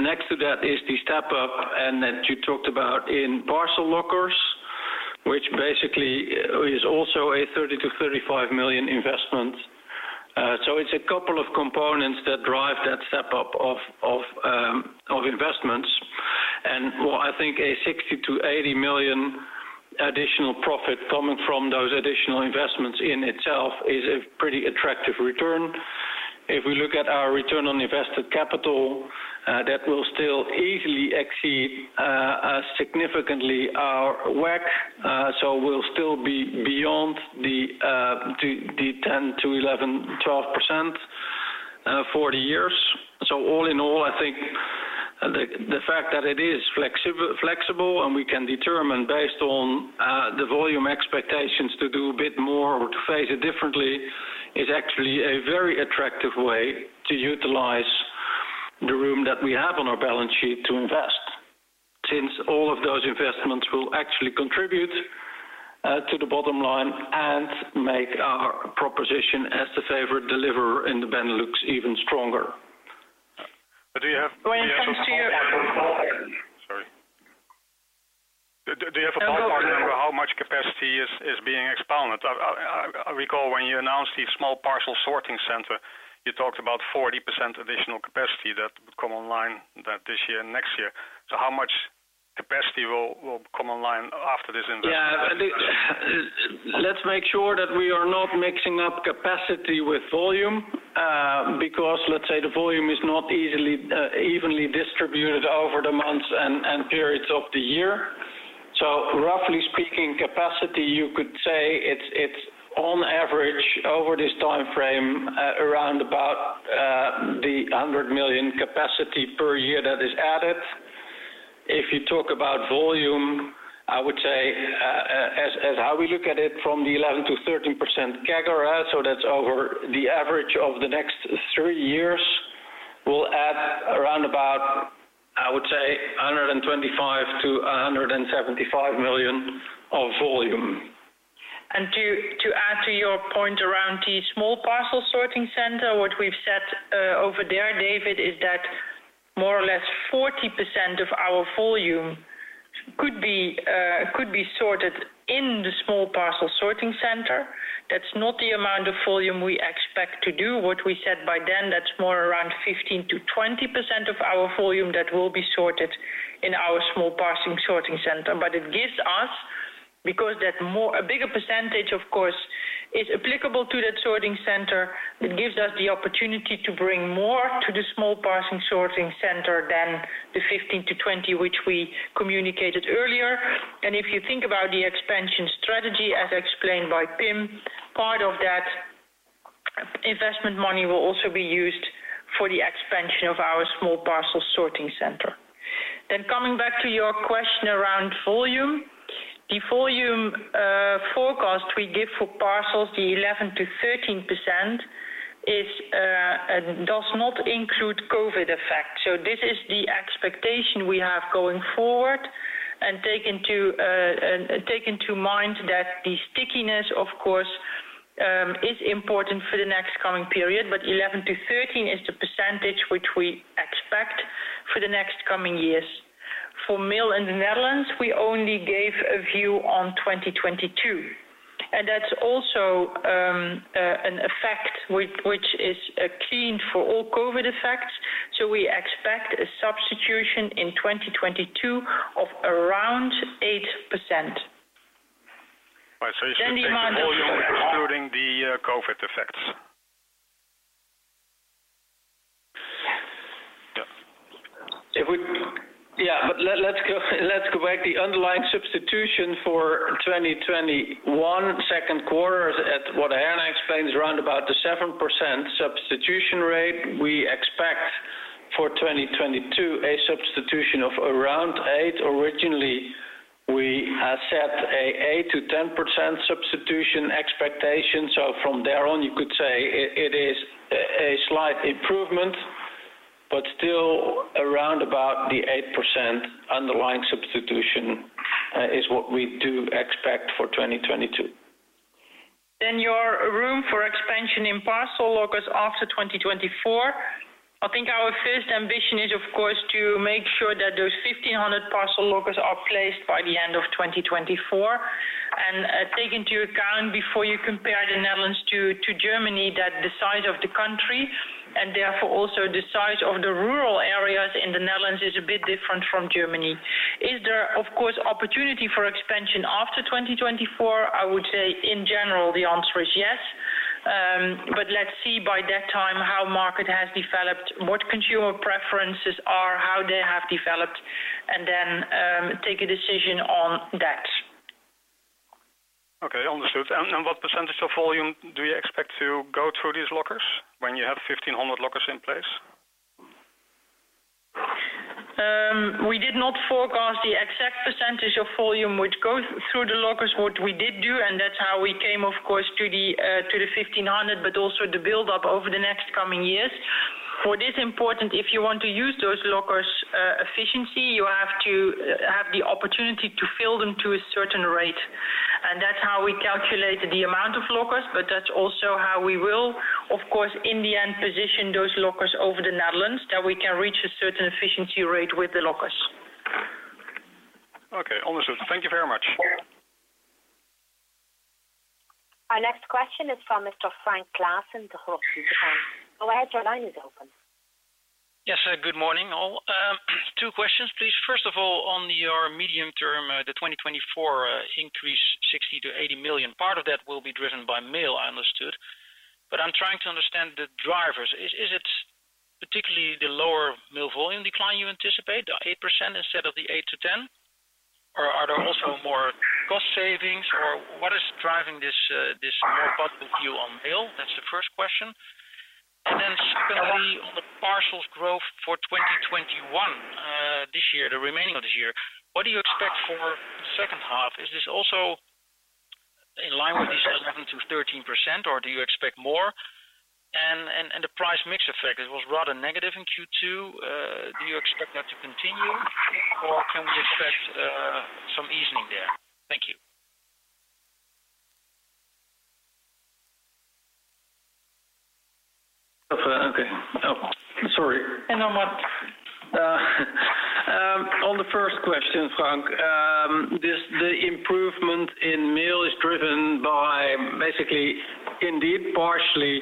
Next to that is the step-up and that you talked about in parcel lockers, which basically is also a 30 million-35 million investment. It's a couple of components that drive that step-up of investments. What I think a 60 million-80 million additional profit coming from those additional investments in itself is a pretty attractive return. If we look at our return on invested capital. That will still easily exceed significantly our WACC. We'll still be beyond the 10%-11%, 12% for the years. All in all, I think the fact that it is flexible, and we can determine based on the volume expectations to do a bit more or to phase it differently, is actually a very attractive way to utilize the room that we have on our balance sheet to invest, since all of those investments will actually contribute to the bottom line and make our proposition as the favorite deliverer in the Benelux even stronger. Do you have a ballpark number how much capacity is being expanded? I recall when you announced the small parcel sorting center, you talked about 40% additional capacity that would come online this year and next year. How much capacity will come online after this investment? Yeah. Let's make sure that we are not mixing up capacity with volume, because let's say the volume is not evenly distributed over the months and periods of the year. Roughly speaking, capacity, you could say it's on average over this timeframe, around about the 100 million capacity per year that is added. If you talk about volume, I would say, as how we look at it from the 11%-13% CAGR, that's over the average of the next three years, we'll add around about, I would say, 125 million-175 million of volume. To add to your point around the small parcel sorting center, what we've said over there, David, is that more or less 40% of our volume could be sorted in the small parcel sorting center. That's not the amount of volume we expect to do. What we said by then, that's more around 15%-20% of our volume that will be sorted in our small parcel sorting center. It gives us, because a bigger percentage, of course, is applicable to that sorting center, it gives us the opportunity to bring more to the small parcel sorting center than the 15%-20%, which we communicated earlier. If you think about the expansion strategy as explained by Pim, part of that investment money will also be used for the expansion of our small parcel sorting center. Coming back to your question around volume. The volume forecast we give for parcels, the 11%-13%, does not include COVID effect. This is the expectation we have going forward, and take into mind that the stickiness, of course, is important for the next coming period, but 11%-13% is the percentage which we expect for the next coming years. For mail in the Netherlands, we only gave a view on 2022, and that's also an effect which is cleaned for all COVID effects. We expect a substitution in 2022 of around 8%. Right. You should take the volume excluding the COVID effects? Yeah. Let's correct. The underlying substitution for 2021 second quarter at what Herna explained, is around about the 7% substitution rate. We expect for 2022 a substitution of around 8%. Originally, we had set an 8%-10% substitution expectation. From there on, you could say it is a slight improvement, but still around about the 8% underlying substitution is what we do expect for 2022. Your room for expansion in parcel lockers after 2024. I think our first ambition is, of course, to make sure that those 1,500 parcel lockers are placed by the end of 2024. Take into account before you compare the Netherlands to Germany, that the size of the country and therefore also the size of the rural areas in the Netherlands is a bit different from Germany. Is there, of course, opportunity for expansion after 2024? I would say in general, the answer is yes. Let's see by that time how market has developed, what consumer preferences are, how they have developed, and then take a decision on that. Okay. Understood. What percent of volume do you expect to go through these lockers when you have 1,500 lockers in place? We did not forecast the exact percentage of volume which goes through the lockers. What we did do, and that's how we came, of course, to the 1,500, but also the build up over the next coming years. For this important, if you want to use those lockers efficiently, you have to have the opportunity to fill them to a certain rate. That's how we calculated the amount of lockers, but that's also how we will, of course, in the end, position those lockers over the Netherlands that we can reach a certain efficiency rate with the lockers. Okay. Understood. Thank you very much. Our next question is from Mr. Frank Claassen, Degroof Petercam. Go ahead, your line is open. Yes, good morning, all. Two questions, please. First of all, on your medium term, the 2024 increase, 60 million-80 million, part of that will be driven by mail, I understood. I'm trying to understand the drivers. Is it particularly the lower mail volume decline you anticipate, the 8% instead of the 8%-10%? Are there also more cost savings, or what is driving this more positive view on mail? That's the first question. Secondly, on the parcels growth for 2021, the remaining of this year, what do you expect for the second half? Is this also in line with this 11%-13%, or do you expect more? The price mix effect, it was rather negative in Q2. Do you expect that to continue, or can we expect some easing there? Thank you. Okay. Oh, sorry. On the first question, Frank, the improvement in mail is driven by basically, indeed, partially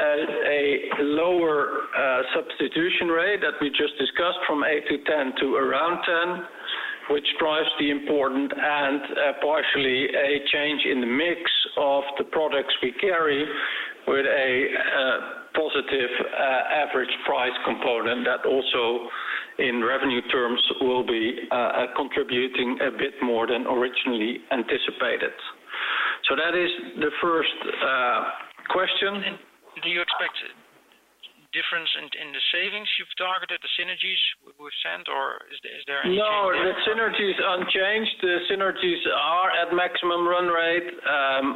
a lower substitution rate that we just discussed from 8%-10% to around 10%, which drives the important and partially a change in the mix of the products we carry, with a positive average price component that also in revenue terms will be contributing a bit more than originally anticipated. That is the first question. Do you expect difference in the savings you've targeted, the synergies with Sandd, or is there any change there? No, the synergy is unchanged. The synergies are at maximum run rate.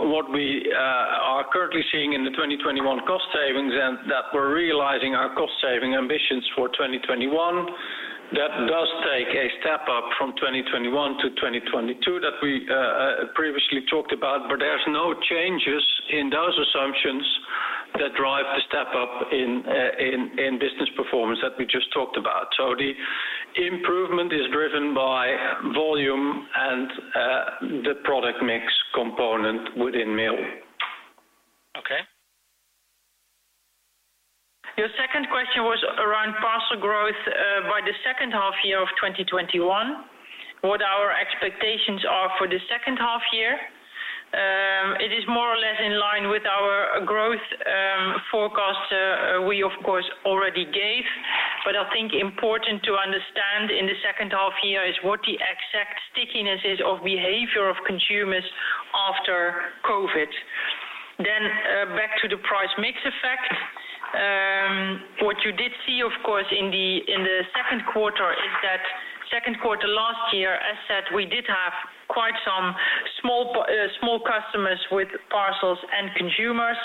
What we are currently seeing in the 2021 cost savings and that we're realizing our cost-saving ambitions for 2021, that does take a step up from 2021 to 2022 that we previously talked about, but there's no changes in those assumptions that drive the step up in business performance that we just talked about. The improvement is driven by volume and the product mix component within mail. Okay. Your second question was around parcel growth by the second half-year of 2021, what our expectations are for the second half-year. It is more or less in line with our growth forecast we of course already gave. I think important to understand in the second half-year is what the exact stickiness is of behavior of consumers after COVID. Back to the price mix effect. What you did see, of course, in the second quarter is that second quarter last year, as said, we did have quite some small customers with parcels and consumers.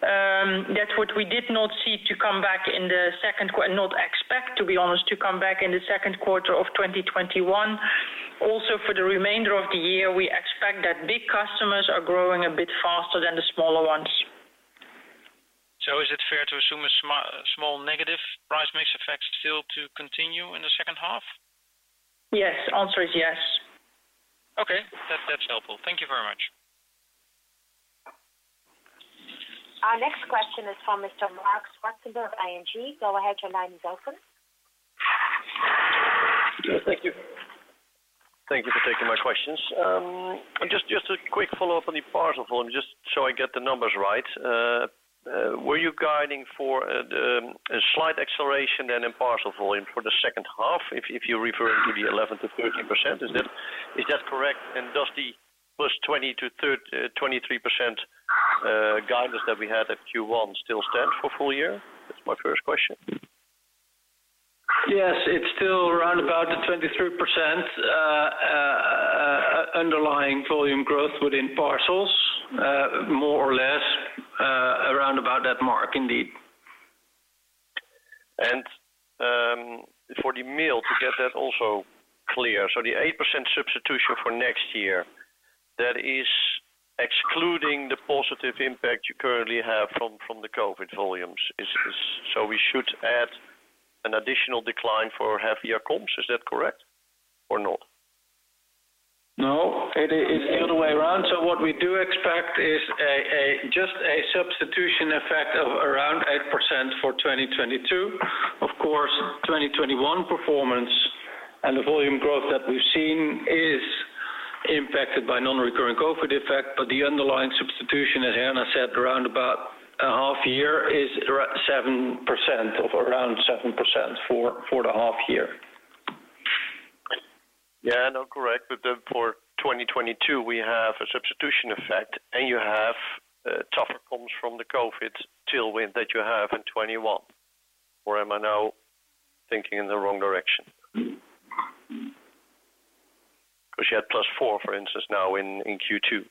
That we did not see to come back in the second, not expect, to be honest, to come back in the second quarter of 2021. Also for the remainder of the year, we expect that big customers are growing a bit faster than the smaller ones. Is it fair to assume a small negative price mix effect still to continue in the second half? Yes. Answer is yes. Okay. That's helpful. Thank you very much. Our next question is from Mr. Marc Zwartsenburg, ING. Go ahead, your line is open. Thank you. Thank you for taking my questions. Just a quick follow-up on the parcel volume, just so I get the numbers right. Were you guiding for a slight acceleration in parcel volume for the second half, if you're referring to the 11%-13%? Is that correct, does the +20%-23% guidance that we had at Q1 still stand for full year? That's my first question. Yes, it's still around about the 23% underlying volume growth within parcels, more or less around about that mark, indeed. For the mail, to get that also clear. The 8% substitution for next year, that is excluding the positive impact you currently have from the COVID volumes. We should add an additional decline for half year comps. Is that correct or not? No. It is the other way around. What we do expect is just a substitution effect of around 8% for 2022. Of course, 2021 performance and the volume growth that we've seen is impacted by non-recurring COVID effect. The underlying substitution, as Herna said, around about a half year, is around 7% for the half year. Yeah, no, correct. For 2022, we have a substitution effect, and you have tougher comps from the COVID tailwind that you have in 2021. Am I now thinking in the wrong direction? You had +4, for instance, now in Q2.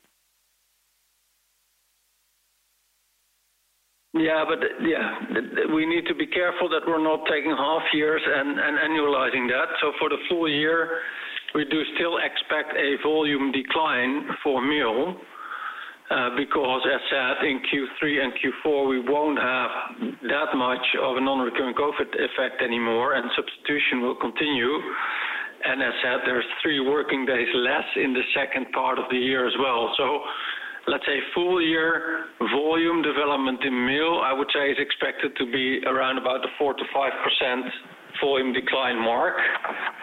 Yeah. We need to be careful that we're not taking half years and annualizing that. For the full year, we do still expect a volume decline for mail, because as said, in Q3 and Q4, we won't have that much of a non-recurring COVID effect anymore, and substitution will continue. As said, there's three working days less in the second part of the year as well. Let's say full year volume development in mail. Which is expected to be around about the 4%-5% volume decline mark,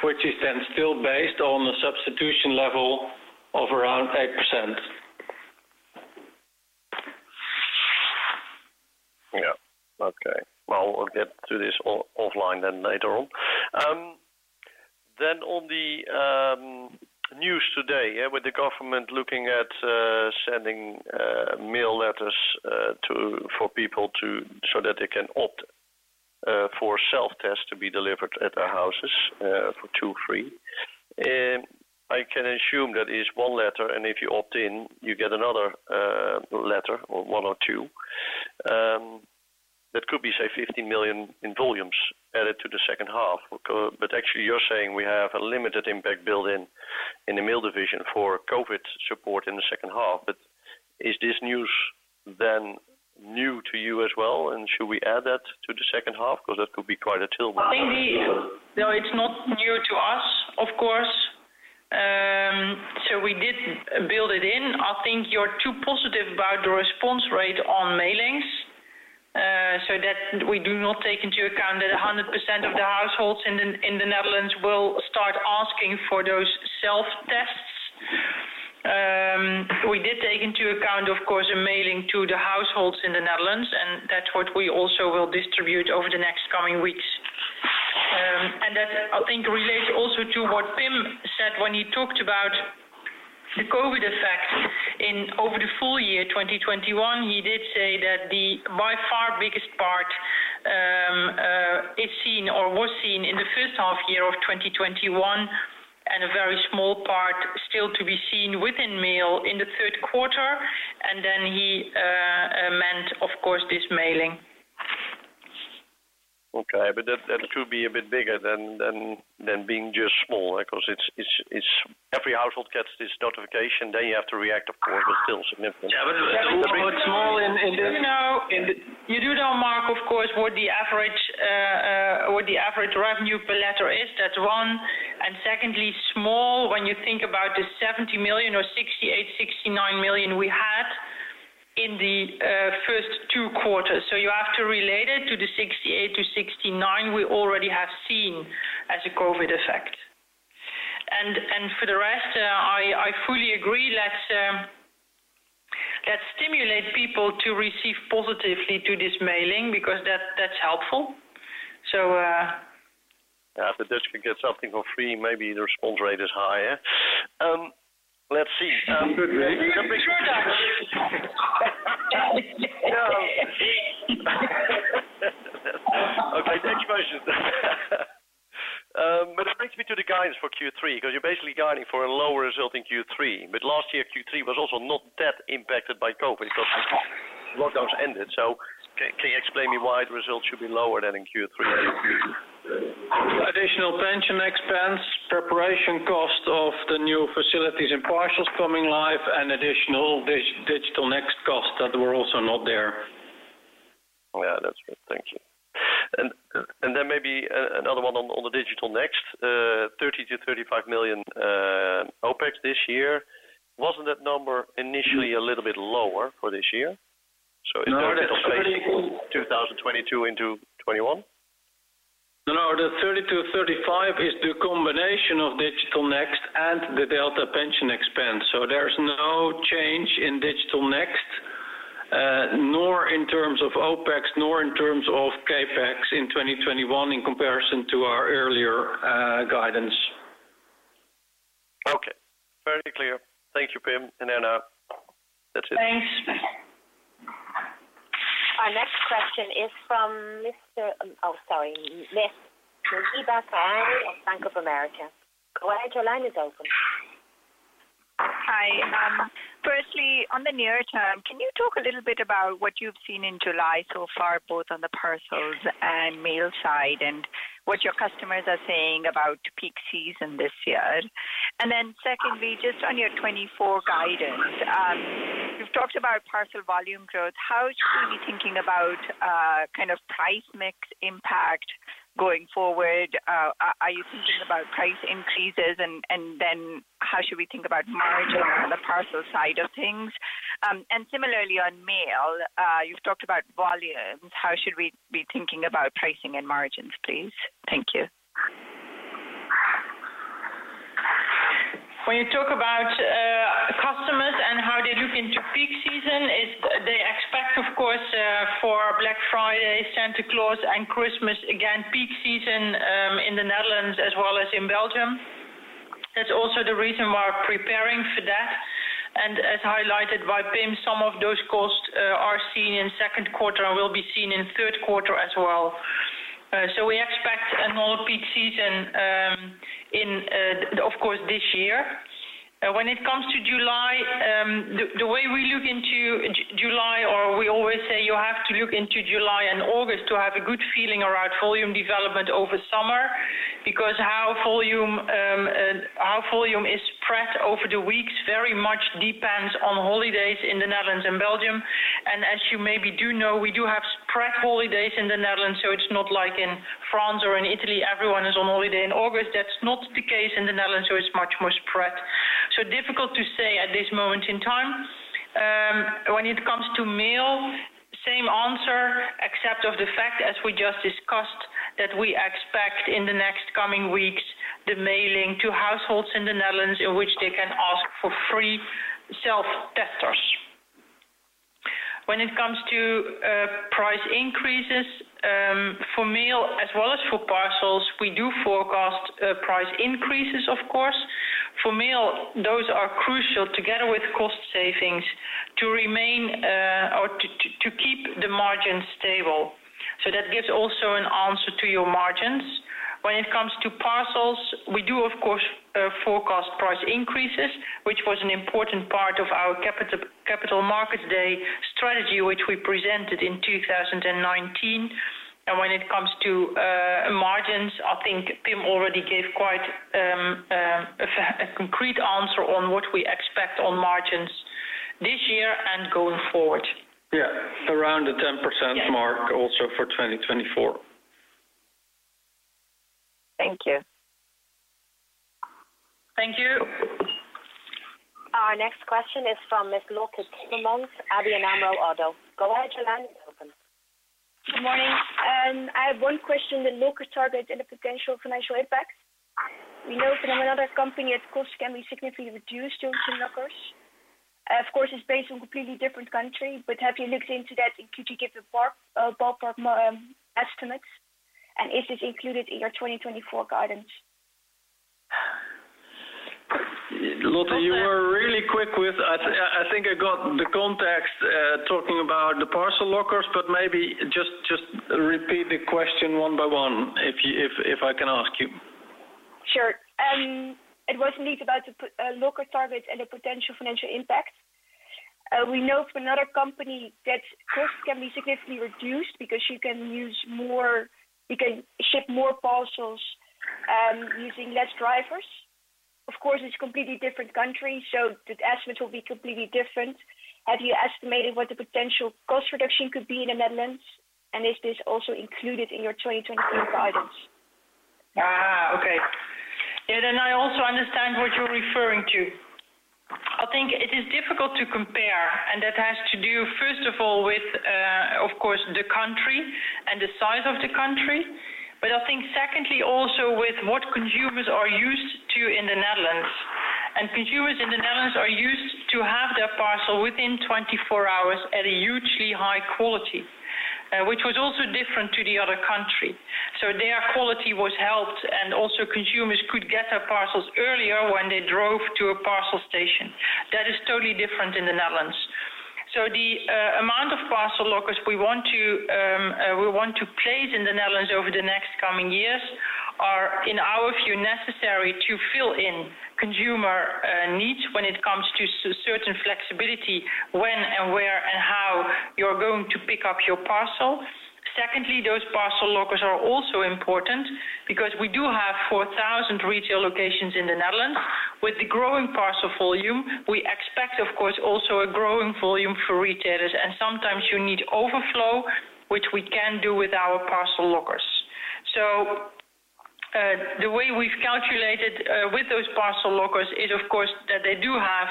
which is then still based on the substitution level of around 8%. Yeah. Okay. We'll get to this offline then later on. On the news today, with the government looking at sending mail letters for people so that they can opt for self-tests to be delivered at their houses for two, free. I can assume that is one letter and if you opt in, you get another letter or one or two. That could be, say, 15 million in volumes added to the second half. Actually you're saying we have a limited impact build in the mail division for COVID support in the second half. Is this news new to you as well? Should we add that to the second half? That could be quite a tailwind. No, it's not new to us, of course. We did build it in. I think you're too positive about the response rate on mailings, so that we do not take into account that 100% of the households in the Netherlands will start asking for those self-tests. We did take into account, of course, a mailing to the households in the Netherlands, and that's what we also will distribute over the next coming weeks. That, I think, relates also to what Pim said when he talked about the COVID effect over the full year 2021. He did say that the by far biggest part is seen or was seen in the first half year of 2021, and a very small part still to be seen within mail in the third quarter. He meant, of course, this mailing. Okay, but that should be a bit bigger than being just small, because every household gets this notification, then you have to react, of course, but still significant. You do know, Mark, of course, what the average revenue per letter is. That's one. Secondly, small, when you think about the 70 million or 68 million, 69 million we had in the first two quarters. You have to relate it to the 68 million-69 million we already have seen as a COVID effect. For the rest, I fully agree. Let's stimulate people to receive positively to this mailing because that's helpful. Yeah, if the Dutch could get something for free, maybe the response rate is higher. Let's see. True [Dutch]. Okay, next question. It brings me to the guidance for Q3, because you're basically guiding for a lower result in Q3. Last year, Q3 was also not that impacted by COVID because lockdowns ended. Can you explain to me why the results should be lower than in Q3? Additional pension expense, preparation cost of the new facilities and parcels coming live and additional Digital Next costs that were also not there. Yeah, that's good. Thank you. Then maybe another one on the Digital Next. 30 million-35 million OpEx this year. Wasn't that number initially a little bit lower for this year? Is that replacing 2022 into 2021? The 30 million-35million is the combination of Digital Next and the delta pension expense. There's no change in Digital Next, nor in terms of OpEx, nor in terms of CapEx in 2021 in comparison to our earlier guidance. Okay. Very clear. Thank you, Pim. Herna. That's it. Thanks. Our next question is from Miss [Nagiba khshai] of Bank of America. Go ahead, your line is open. Hi. Firstly, on the near term, can you talk a little bit about what you've seen in July so far, both on the parcels and mail side, and what your customers are saying about peak season this year? Secondly, just on your 2024 guidance. You've talked about parcel volume growth. How should we be thinking about price mix impact going forward? Are you thinking about price increases? How should we think about margin on the parcel side of things? Similarly on mail, you've talked about volumes. How should we be thinking about pricing and margins, please? Thank you. When you talk about customers and how they look into peak season, they expect, of course, for Black Friday, Santa Claus and Christmas, again, peak season in the Netherlands as well as in Belgium. That's also the reason we're preparing for that. As highlighted by Pim, some of those costs are seen in second quarter and will be seen in third quarter as well. We expect a normal peak season of course this year. When it comes to July, the way we look into July, or we always say you have to look into July and August to have a good feeling about volume development over summer, because how volume is spread over the weeks very much depends on holidays in the Netherlands and Belgium. As you maybe do know, we do have spread holidays in the Netherlands, so it's not like in France or in Italy, everyone is on holiday in August. That's not the case in the Netherlands, so it's much more spread. Difficult to say at this moment in time. When it comes to mail, same answer, except of the fact, as we just discussed, that we expect in the next coming weeks, the mailing to households in the Netherlands in which they can ask for free self-testers. When it comes to price increases for mail as well as for parcels, we do forecast price increases, of course. For mail, those are crucial together with cost savings to keep the margin stable. That gives also an answer to your margins. When it comes to parcels, we do of course forecast price increases, which was an important part of our Capital Markets Day strategy, which we presented in 2019. When it comes to margins, I think Pim already gave quite a concrete answer on what we expect on margins this year and going forward. Yes, around the 10% mark also for 2024. Thank you. Thank you. Our next question is from Ms. Lotte Timmermans, ABN AMRO ODDO. Go ahead, your line is open. Good morning. I have one question, the locker target and the potential financial impact. We know from another company that costs can be significantly reduced using lockers. Of course, it's based on completely different country, but have you looked into that? Could you give the ballpark estimates? Is this included in your 2024 guidance? Lotte, you were really quick with I think I got the context, talking about the parcel lockers, but maybe just repeat the question one by one, if I can ask you. Sure. It was indeed about the locker targets and the potential financial impact. We know for another company that costs can be significantly reduced because you can ship more parcels using less drivers. It's a completely different country, the estimates will be completely different. Have you estimated what the potential cost reduction could be in the Netherlands? Is this also included in your 2024 guidance? Okay. I also understand what you're referring to. I think it is difficult to compare, and that has to do, first of all, with the country and the size of the country. I think secondly also with what consumers are used to in the Netherlands. Consumers in the Netherlands are used to have their parcel within 24 hours at a hugely high quality, which was also different to the other country. Their quality was helped, and also consumers could get their parcels earlier when they drove to a parcel station. That is totally different in the Netherlands. The amount of parcel lockers we want to place in the Netherlands over the next coming years are, in our view, necessary to fill in consumer needs when it comes to certain flexibility when, and where, and how you're going to pick up your parcel. Those parcel lockers are also important because we do have 4,000 retail locations in the Netherlands. With the growing parcel volume, we expect, of course, also a growing volume for retailers, and sometimes you need overflow, which we can do with our parcel lockers. The way we've calculated with those parcel lockers is, of course, that they do have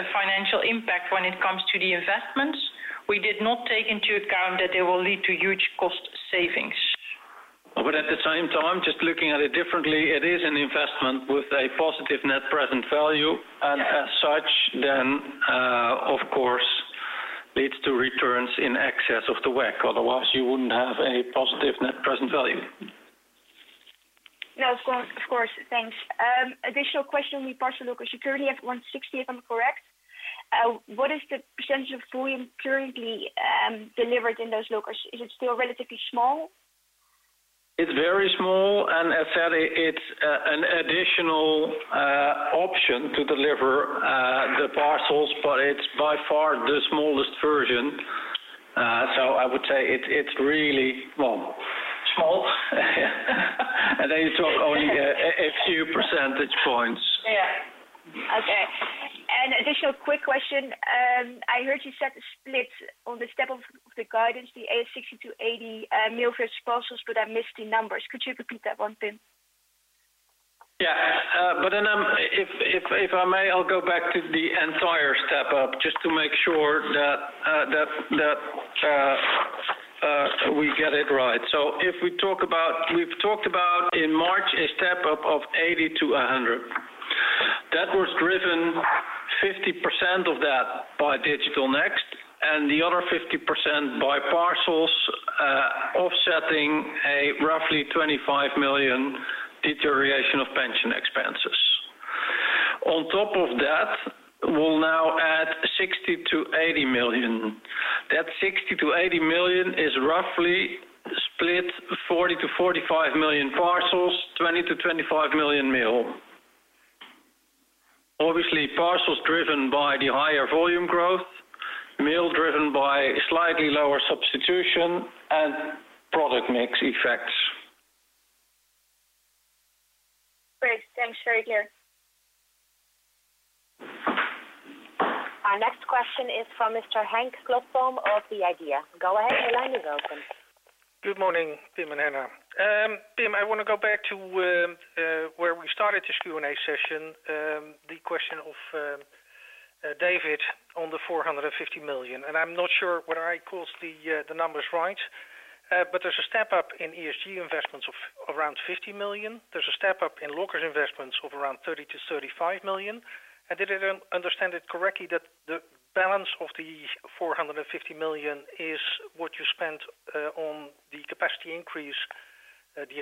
a financial impact when it comes to the investments. We did not take into account that they will lead to huge cost savings. At the same time, just looking at it differently, it is an investment with a positive net present value, and as such, then of course leads to returns in excess of the WACC. Otherwise, you wouldn't have a positive net present value. No, of course. Thanks. Additional question with parcel lockers. 160, if I'm correct. What is the % of volume currently delivered in those lockers? Is it still relatively small? It's very small, and as said, it's an additional option to deliver the parcels, but it's by far the smallest version. I would say it's really small. Then you talk only a few percentage points. Yes. Okay. An additional quick question. I heard you set a split on the step of the guidance, the 60 million-80million mail versus parcels, but I missed the numbers. Could you repeat that one, Pim? Yes. If I may, I'll go back to the entire step-up just to make sure that we get it right. We've talked about in March a step-up of 80 million-100 EURmillion. That was driven 50% of that by Digital Next and the other 50% by parcels offsetting a roughly 25 million deterioration of pension expenses. On top of that, we'll now add 60 million-EUR80 million. That 60 million-EUR80 million is roughly split 40 million-45 million parcels, 20 million-25 million mail. Obviously, parcels driven by the higher volume growth, mail driven by slightly lower substitution and product mix effects. Great. Thanks. Very clear. Our next question is from Mr. Henk Slotboom of the IDEA. Go ahead, your line is open. Good morning, Pim and Herna. Pim, I want to go back to where we started this Q and A session, the question of David on the 450 million. I'm not sure whether I quote the numbers right, but there's a step up in ESG investments of around 50 million. There's a step up in lockers investments of around 30 million-35 million. Did I understand it correctly that the balance of the 450 million is what you spent on the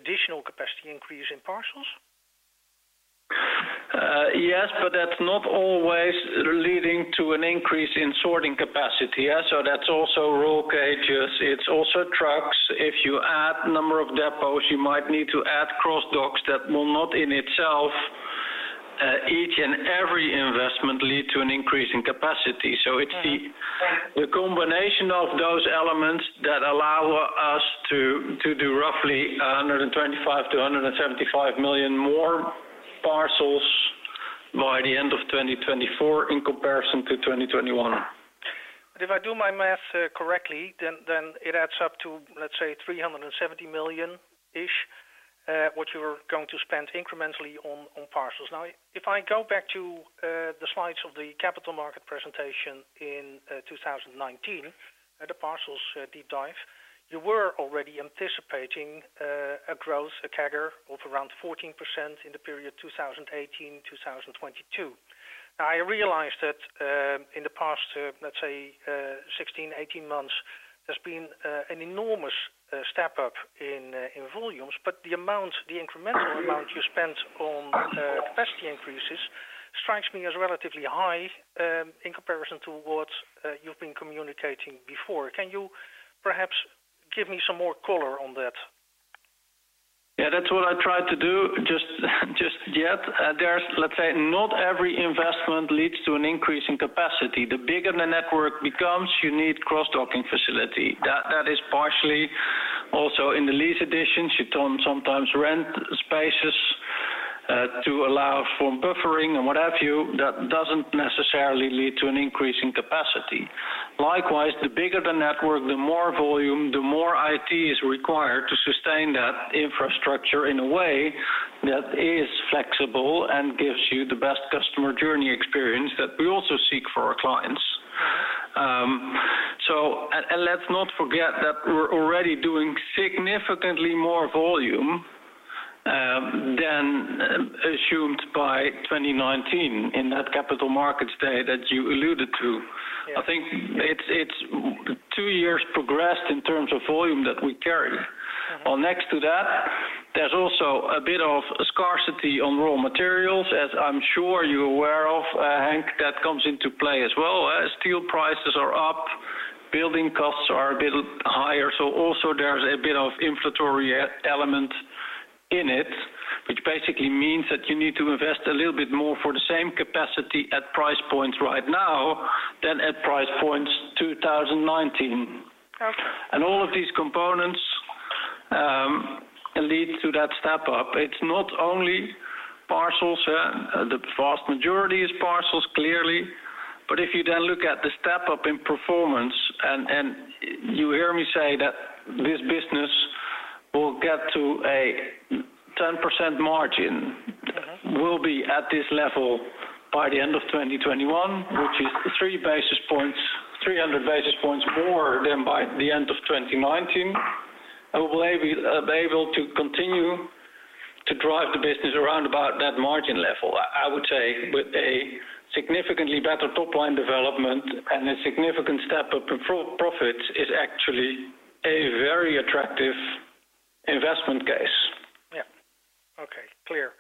additional capacity increase in parcels? That's not always leading to an increase in sorting capacity. That's also roll cages, it's also trucks. If you add number of depots, you might need to add cross docks that will not in itself, each and every investment lead to an increase in capacity. Right the combination of those elements that allow us to do roughly 125 million-175 million more parcels by the end of 2024 in comparison to 2021. If I do my math correctly, it adds up to, let's say, 370 million-ish, what you are going to spend incrementally on parcels. If I go back to the slides of the Capital Markets Day in 2019, the parcels deep dive, you were already anticipating a growth, a CAGR, of around 14% in the period 2018, 2022. I realize that in the past, let's say 16, 18 months, there's been an enormous step up in volumes, but the incremental amount you spent on capacity increases strikes me as relatively high in comparison to what you've been communicating before. Can you perhaps give me some more color on that? That's what I tried to do just yet. Let's say not every investment leads to an increase in capacity. The bigger the network becomes, you need cross-docking facility. That is partially also in the lease additions. You sometimes rent spaces to allow for buffering and what have you, that doesn't necessarily lead to an increase in capacity. The bigger the network, the more volume, the more IT is required to sustain that infrastructure in a way that is flexible and gives you the best customer journey experience that we also seek for our clients. Right. Let's not forget that we're already doing significantly more volume than assumed by 2019 in that Capital Markets Day that you alluded to. Yeah. I think it's 2 years progressed in terms of volume that we carry. Next to that, there's also a bit of scarcity on raw materials, as I'm sure you're aware of, Henk, that comes into play as well. Steel prices are up, building costs are a bit higher. Also there's a bit of an inflationary element in it, which basically means that you need to invest a little bit more for the same capacity at price points right now than at price points 2019. Okay. All of these components lead to that step up. It's not only parcels. The vast majority is parcels, clearly. If you then look at the step up in performance, and you hear me say that this business will get to a 10% margin. will be at this level by the end of 2021, which is 300 basis points more than by the end of 2019. We will be able to continue to drive the business around about that margin level. I would say with a significantly better top-line development and a significant step up in pro profits is actually a very attractive investment case. Yeah. Okay. Clear.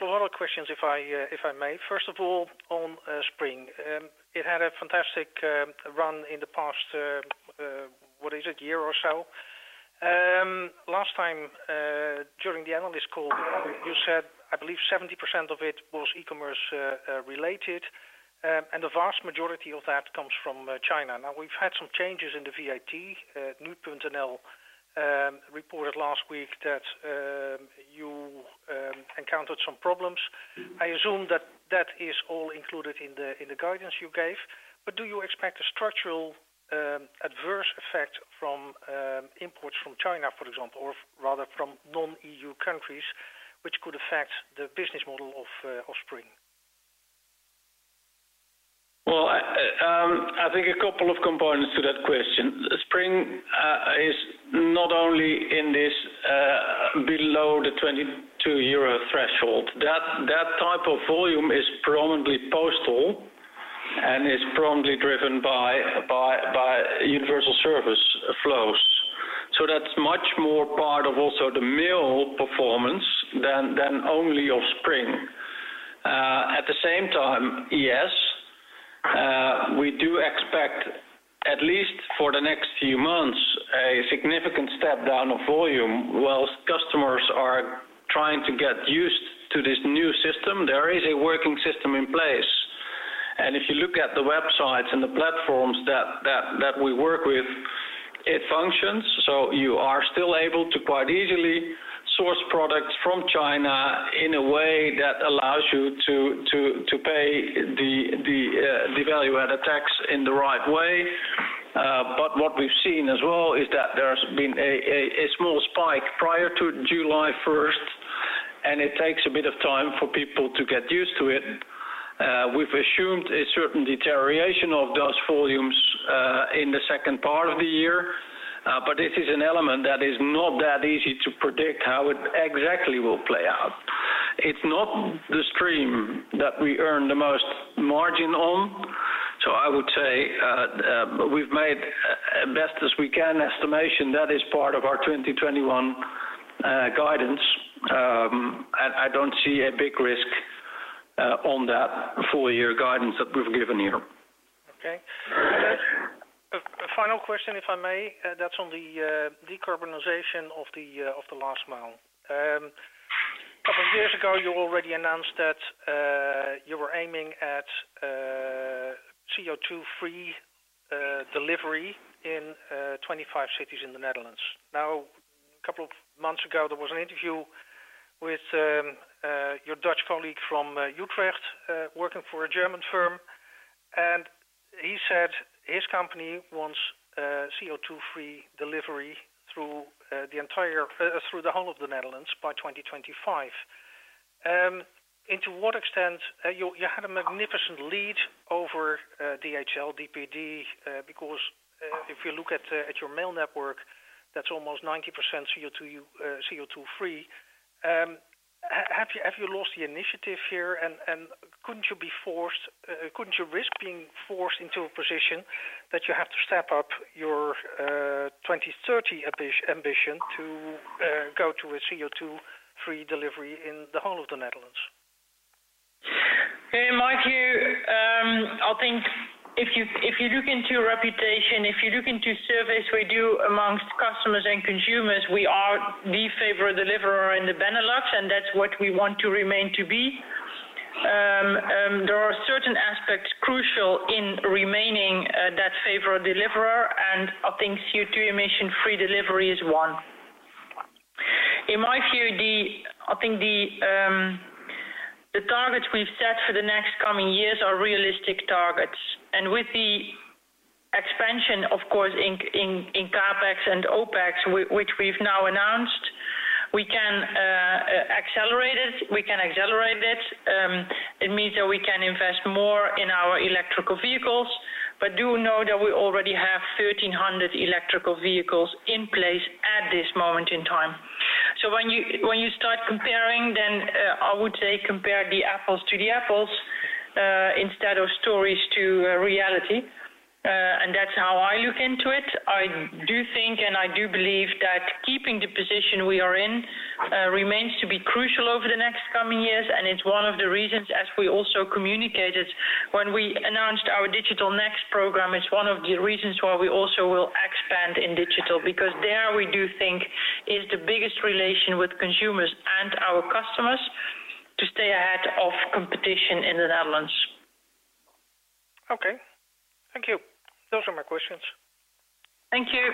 Two other questions, if I may. First of all, on Spring. It had a fantastic run in the past, what is it, year or so. Last time, during the analyst call, you said, I believe 70% of it was e-commerce related. The vast majority of that comes from China. We've had some changes in the [VAT] and reported last week that you encountered some problems. I assume that that is all included in the guidance you gave, do you expect a structural adverse effect from imports from China, for example, or rather from non-EU countries, which could affect the business model of Spring? Well, I think a couple of components to that question. Spring is not only below the 22 euro threshold. That type of volume is predominantly postal and is predominantly driven by universal service flows. That's much more part of also the mail performance than only of Spring. At the same time, yes, we do expect, at least for the next few months, a significant step down of volume whilst customers are trying to get used to this new system. There is a working system in place. If you look at the websites and the platforms that we work with, it functions. You are still able to quite easily source products from China in a way that allows you to pay the value-added tax in the right way. What we've seen as well is that there's been a small spike prior to July 1st, and it takes a bit of time for people to get used to it. We've assumed a certain deterioration of those volumes in the second part of the year. This is an element that is not that easy to predict how it exactly will play out. It's not the stream that we earn the most margin on. I would say, we've made as best as we can estimation. That is part of our 2021 guidance. I don't see a big risk on that full-year guidance that we've given here. Okay. A final question, if I may, that's on the decarbonization of the last mile. A couple of years ago, you already announced that you were aiming at CO2-free delivery in 25 cities in the Netherlands. Now, a couple of months ago, there was an interview with your Dutch colleague from Utrecht, working for a German firm, and he said his company wants CO2-free delivery through the whole of the Netherlands by 2025. You had a magnificent lead over DHL, DPD, because if you look at your mail network, that's almost 90% CO2-free. Have you lost the initiative here, and couldn't you risk being forced into a position that you have to step up your 2030 ambition to go to a CO2-free delivery in the whole of the Netherlands? In my view, I think if you look into reputation, if you look into surveys we do amongst customers and consumers, we are the favored deliverer in the Benelux, and that's what we want to remain to be. There are certain aspects crucial in remaining that favored deliverer, and I think CO2 emission-free delivery is one. In my view, I think the targets we've set for the next coming years are realistic targets. With the expansion, of course, in CapEx and OpEx, which we've now announced, we can accelerate it. It means that we can invest more in our electrical vehicles. Do know that we already have 1,300 electrical vehicles in place at this moment in time. When you start comparing, then I would say compare the apples to the apples, instead of stories to reality. That's how I look into it. I do think and I do believe that keeping the position we are in remains to be crucial over the next coming years, and it's one of the reasons, as we also communicated when we announced our Digital Next program, it's one of the reasons why we also will expand in digital, because there, we do think is the biggest relation with consumers and our customers to stay ahead of competition in the Netherlands. Okay. Thank you. Those are my questions. Thank you.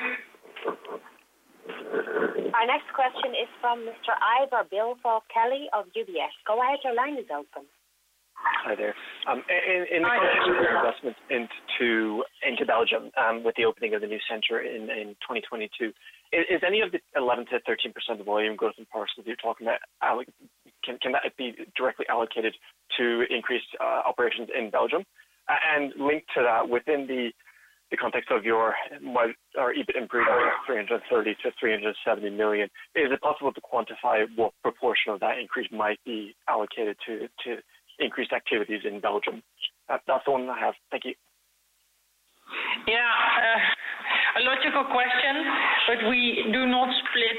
Our next question is from Mr. Ivar Billfalk-Kelly of UBS. Go ahead, your line is open. Hi there. In relation to your investments into Belgium with the opening of the new center in 2022, is any of the 11%-13% volume growth in parcels you're talking about, can that be directly allocated to increased operations in Belgium? Linked to that, within the context of your EBIT improvement of 330 million-370 million, is it possible to quantify what proportion of that increase might be allocated to increased activities in Belgium? That's the one I have. Thank you. Yeah. A logical question, but we do not split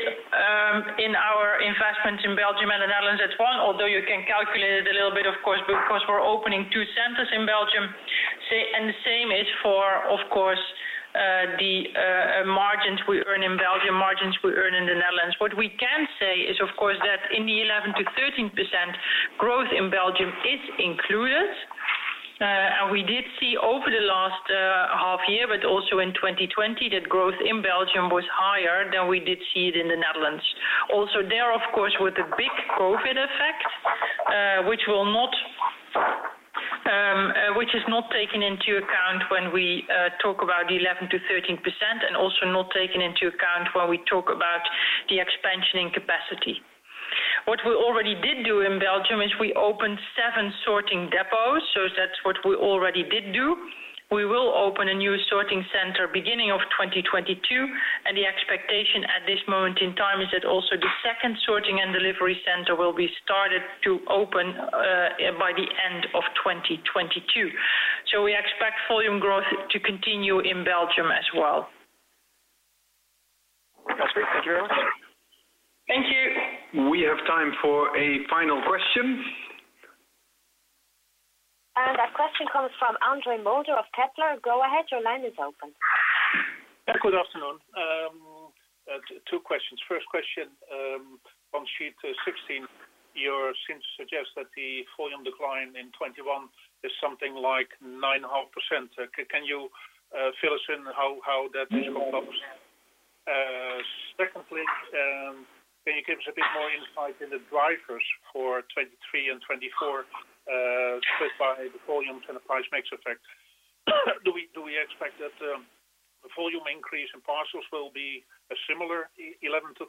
in our investments in Belgium and the Netherlands as one, although you can calculate it a little bit, of course, because we are opening two centers in Belgium, and the same is for, of course, the margins we earn in Belgium, margins we earn in the Netherlands. What we can say is, of course, that in the 11%-13% growth in Belgium, it is included. We did see over the last half year, but also in 2020, that growth in Belgium was higher than we did see it in the Netherlands. Also, there, of course, with a big COVID effect, which is not taken into account when we talk about the 11%-13%, and also not taken into account when we talk about the expansion in capacity. What we already did do in Belgium is we opened seven sorting depots, so that's what we already did do. We will open a new sorting center beginning of 2022, and the expectation at this moment in time is that also the second sorting and delivery center will be started to open by the end of 2022. We expect volume growth to continue in Belgium as well. That's great. Thank you very much. Thank you. We have time for a final question. That question comes from Andre Mulder of Kepler. Go ahead, your line is open. Good afternoon. Two question, first question on Sheet 16, your since suggests that the volume decline in 2021 is something like 9.5%. Can you fill us in how that comes? Secondly, can you give us a bit more insight into the drivers for 2023 and 2024, split by the volumes and the price mix effect? Do we expect that the volume increase in parcels will be a similar 11%-13%?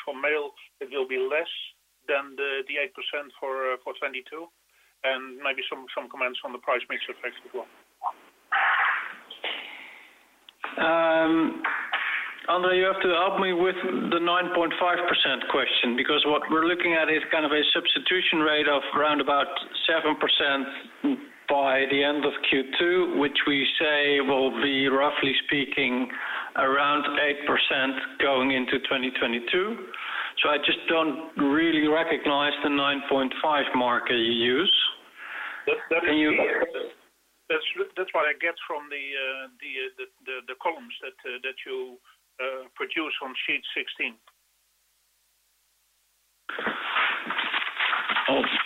For mail, it will be less than the 8% for 2022? Maybe some comments on the price mix effect as well. Andre, you have to help me with the 9.5% question, because what we're looking at is a substitution rate of around about 7% by the end of Q2, which we say will be, roughly speaking, around 8% going into 2022. I just don't really recognize the 9.5% marker you use. Can you hear? That's what I get from the columns that you produce on sheet 16.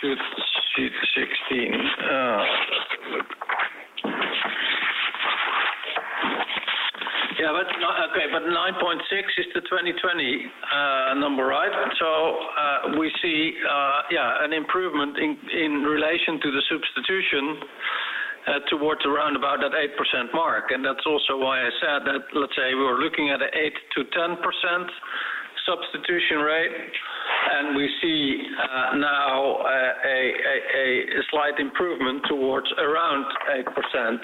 Sheet 16. Let's have a look. Okay, 9.6% is the 2020 number, right? We see an improvement in relation to the substitution towards around about that 8% mark. That's also why I said that, let's say, we were looking at an 8%-10% substitution rate, and we see now a slight improvement towards around 8%,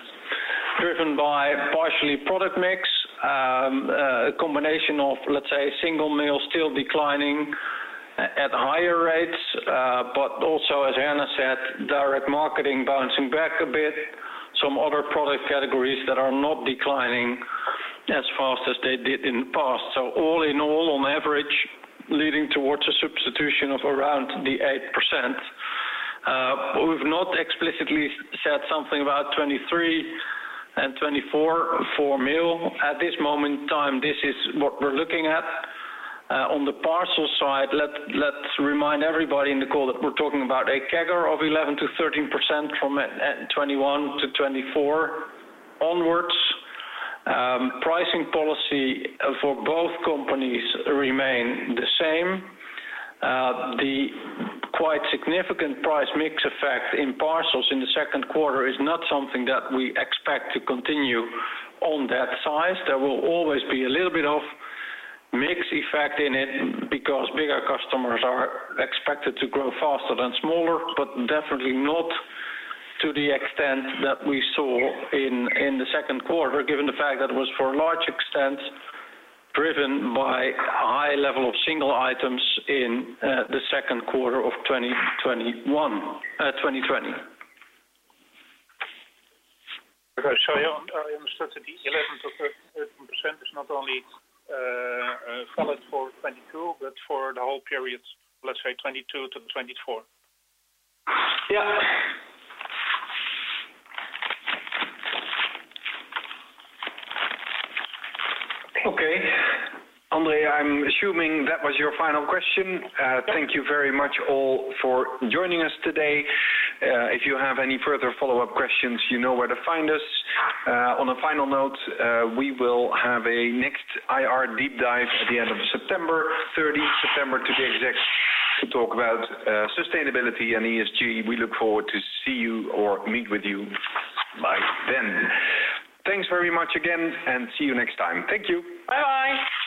driven by partially product mix, a combination of, let's say, single mail still declining at higher rates. Also, as Herna said, direct marketing bouncing back a bit, some other product categories that are not declining as fast as they did in the past. All in all, on average, leading towards a substitution of around the 8%. We've not explicitly said something about 2023 and 2024 for mail. At this moment in time, this is what we're looking at. On the parcels side, let's remind everybody in the call that we're talking about a CAGR of 11%-13% from 2021 to 2024 onwards. Pricing policy for both companies remain the same. The quite significant price mix effect in parcels in the second quarter is not something that we expect to continue on that size. There will always be a little bit of mix effect in it because bigger customers are expected to grow faster than smaller, but definitely not to the extent that we saw in the second quarter, given the fact that it was for a large extent driven by a high level of single items in the second quarter of 2020. Okay. you understood that the 11%-13% is not only valid for 2022, but for the whole period, let's say 2022 to 2024? Yeah. Okay, Andre, I'm assuming that was your final question. Thank you very much all for joining us today. If you have any further follow-up questions, you know where to find us. On a final note, we will have a next IR deep dive at the end of September, 30th September, to the execs to talk about sustainability and ESG. We look forward to see you or meet with you by then. Thanks very much again. See you next time. Thank you. Bye-bye.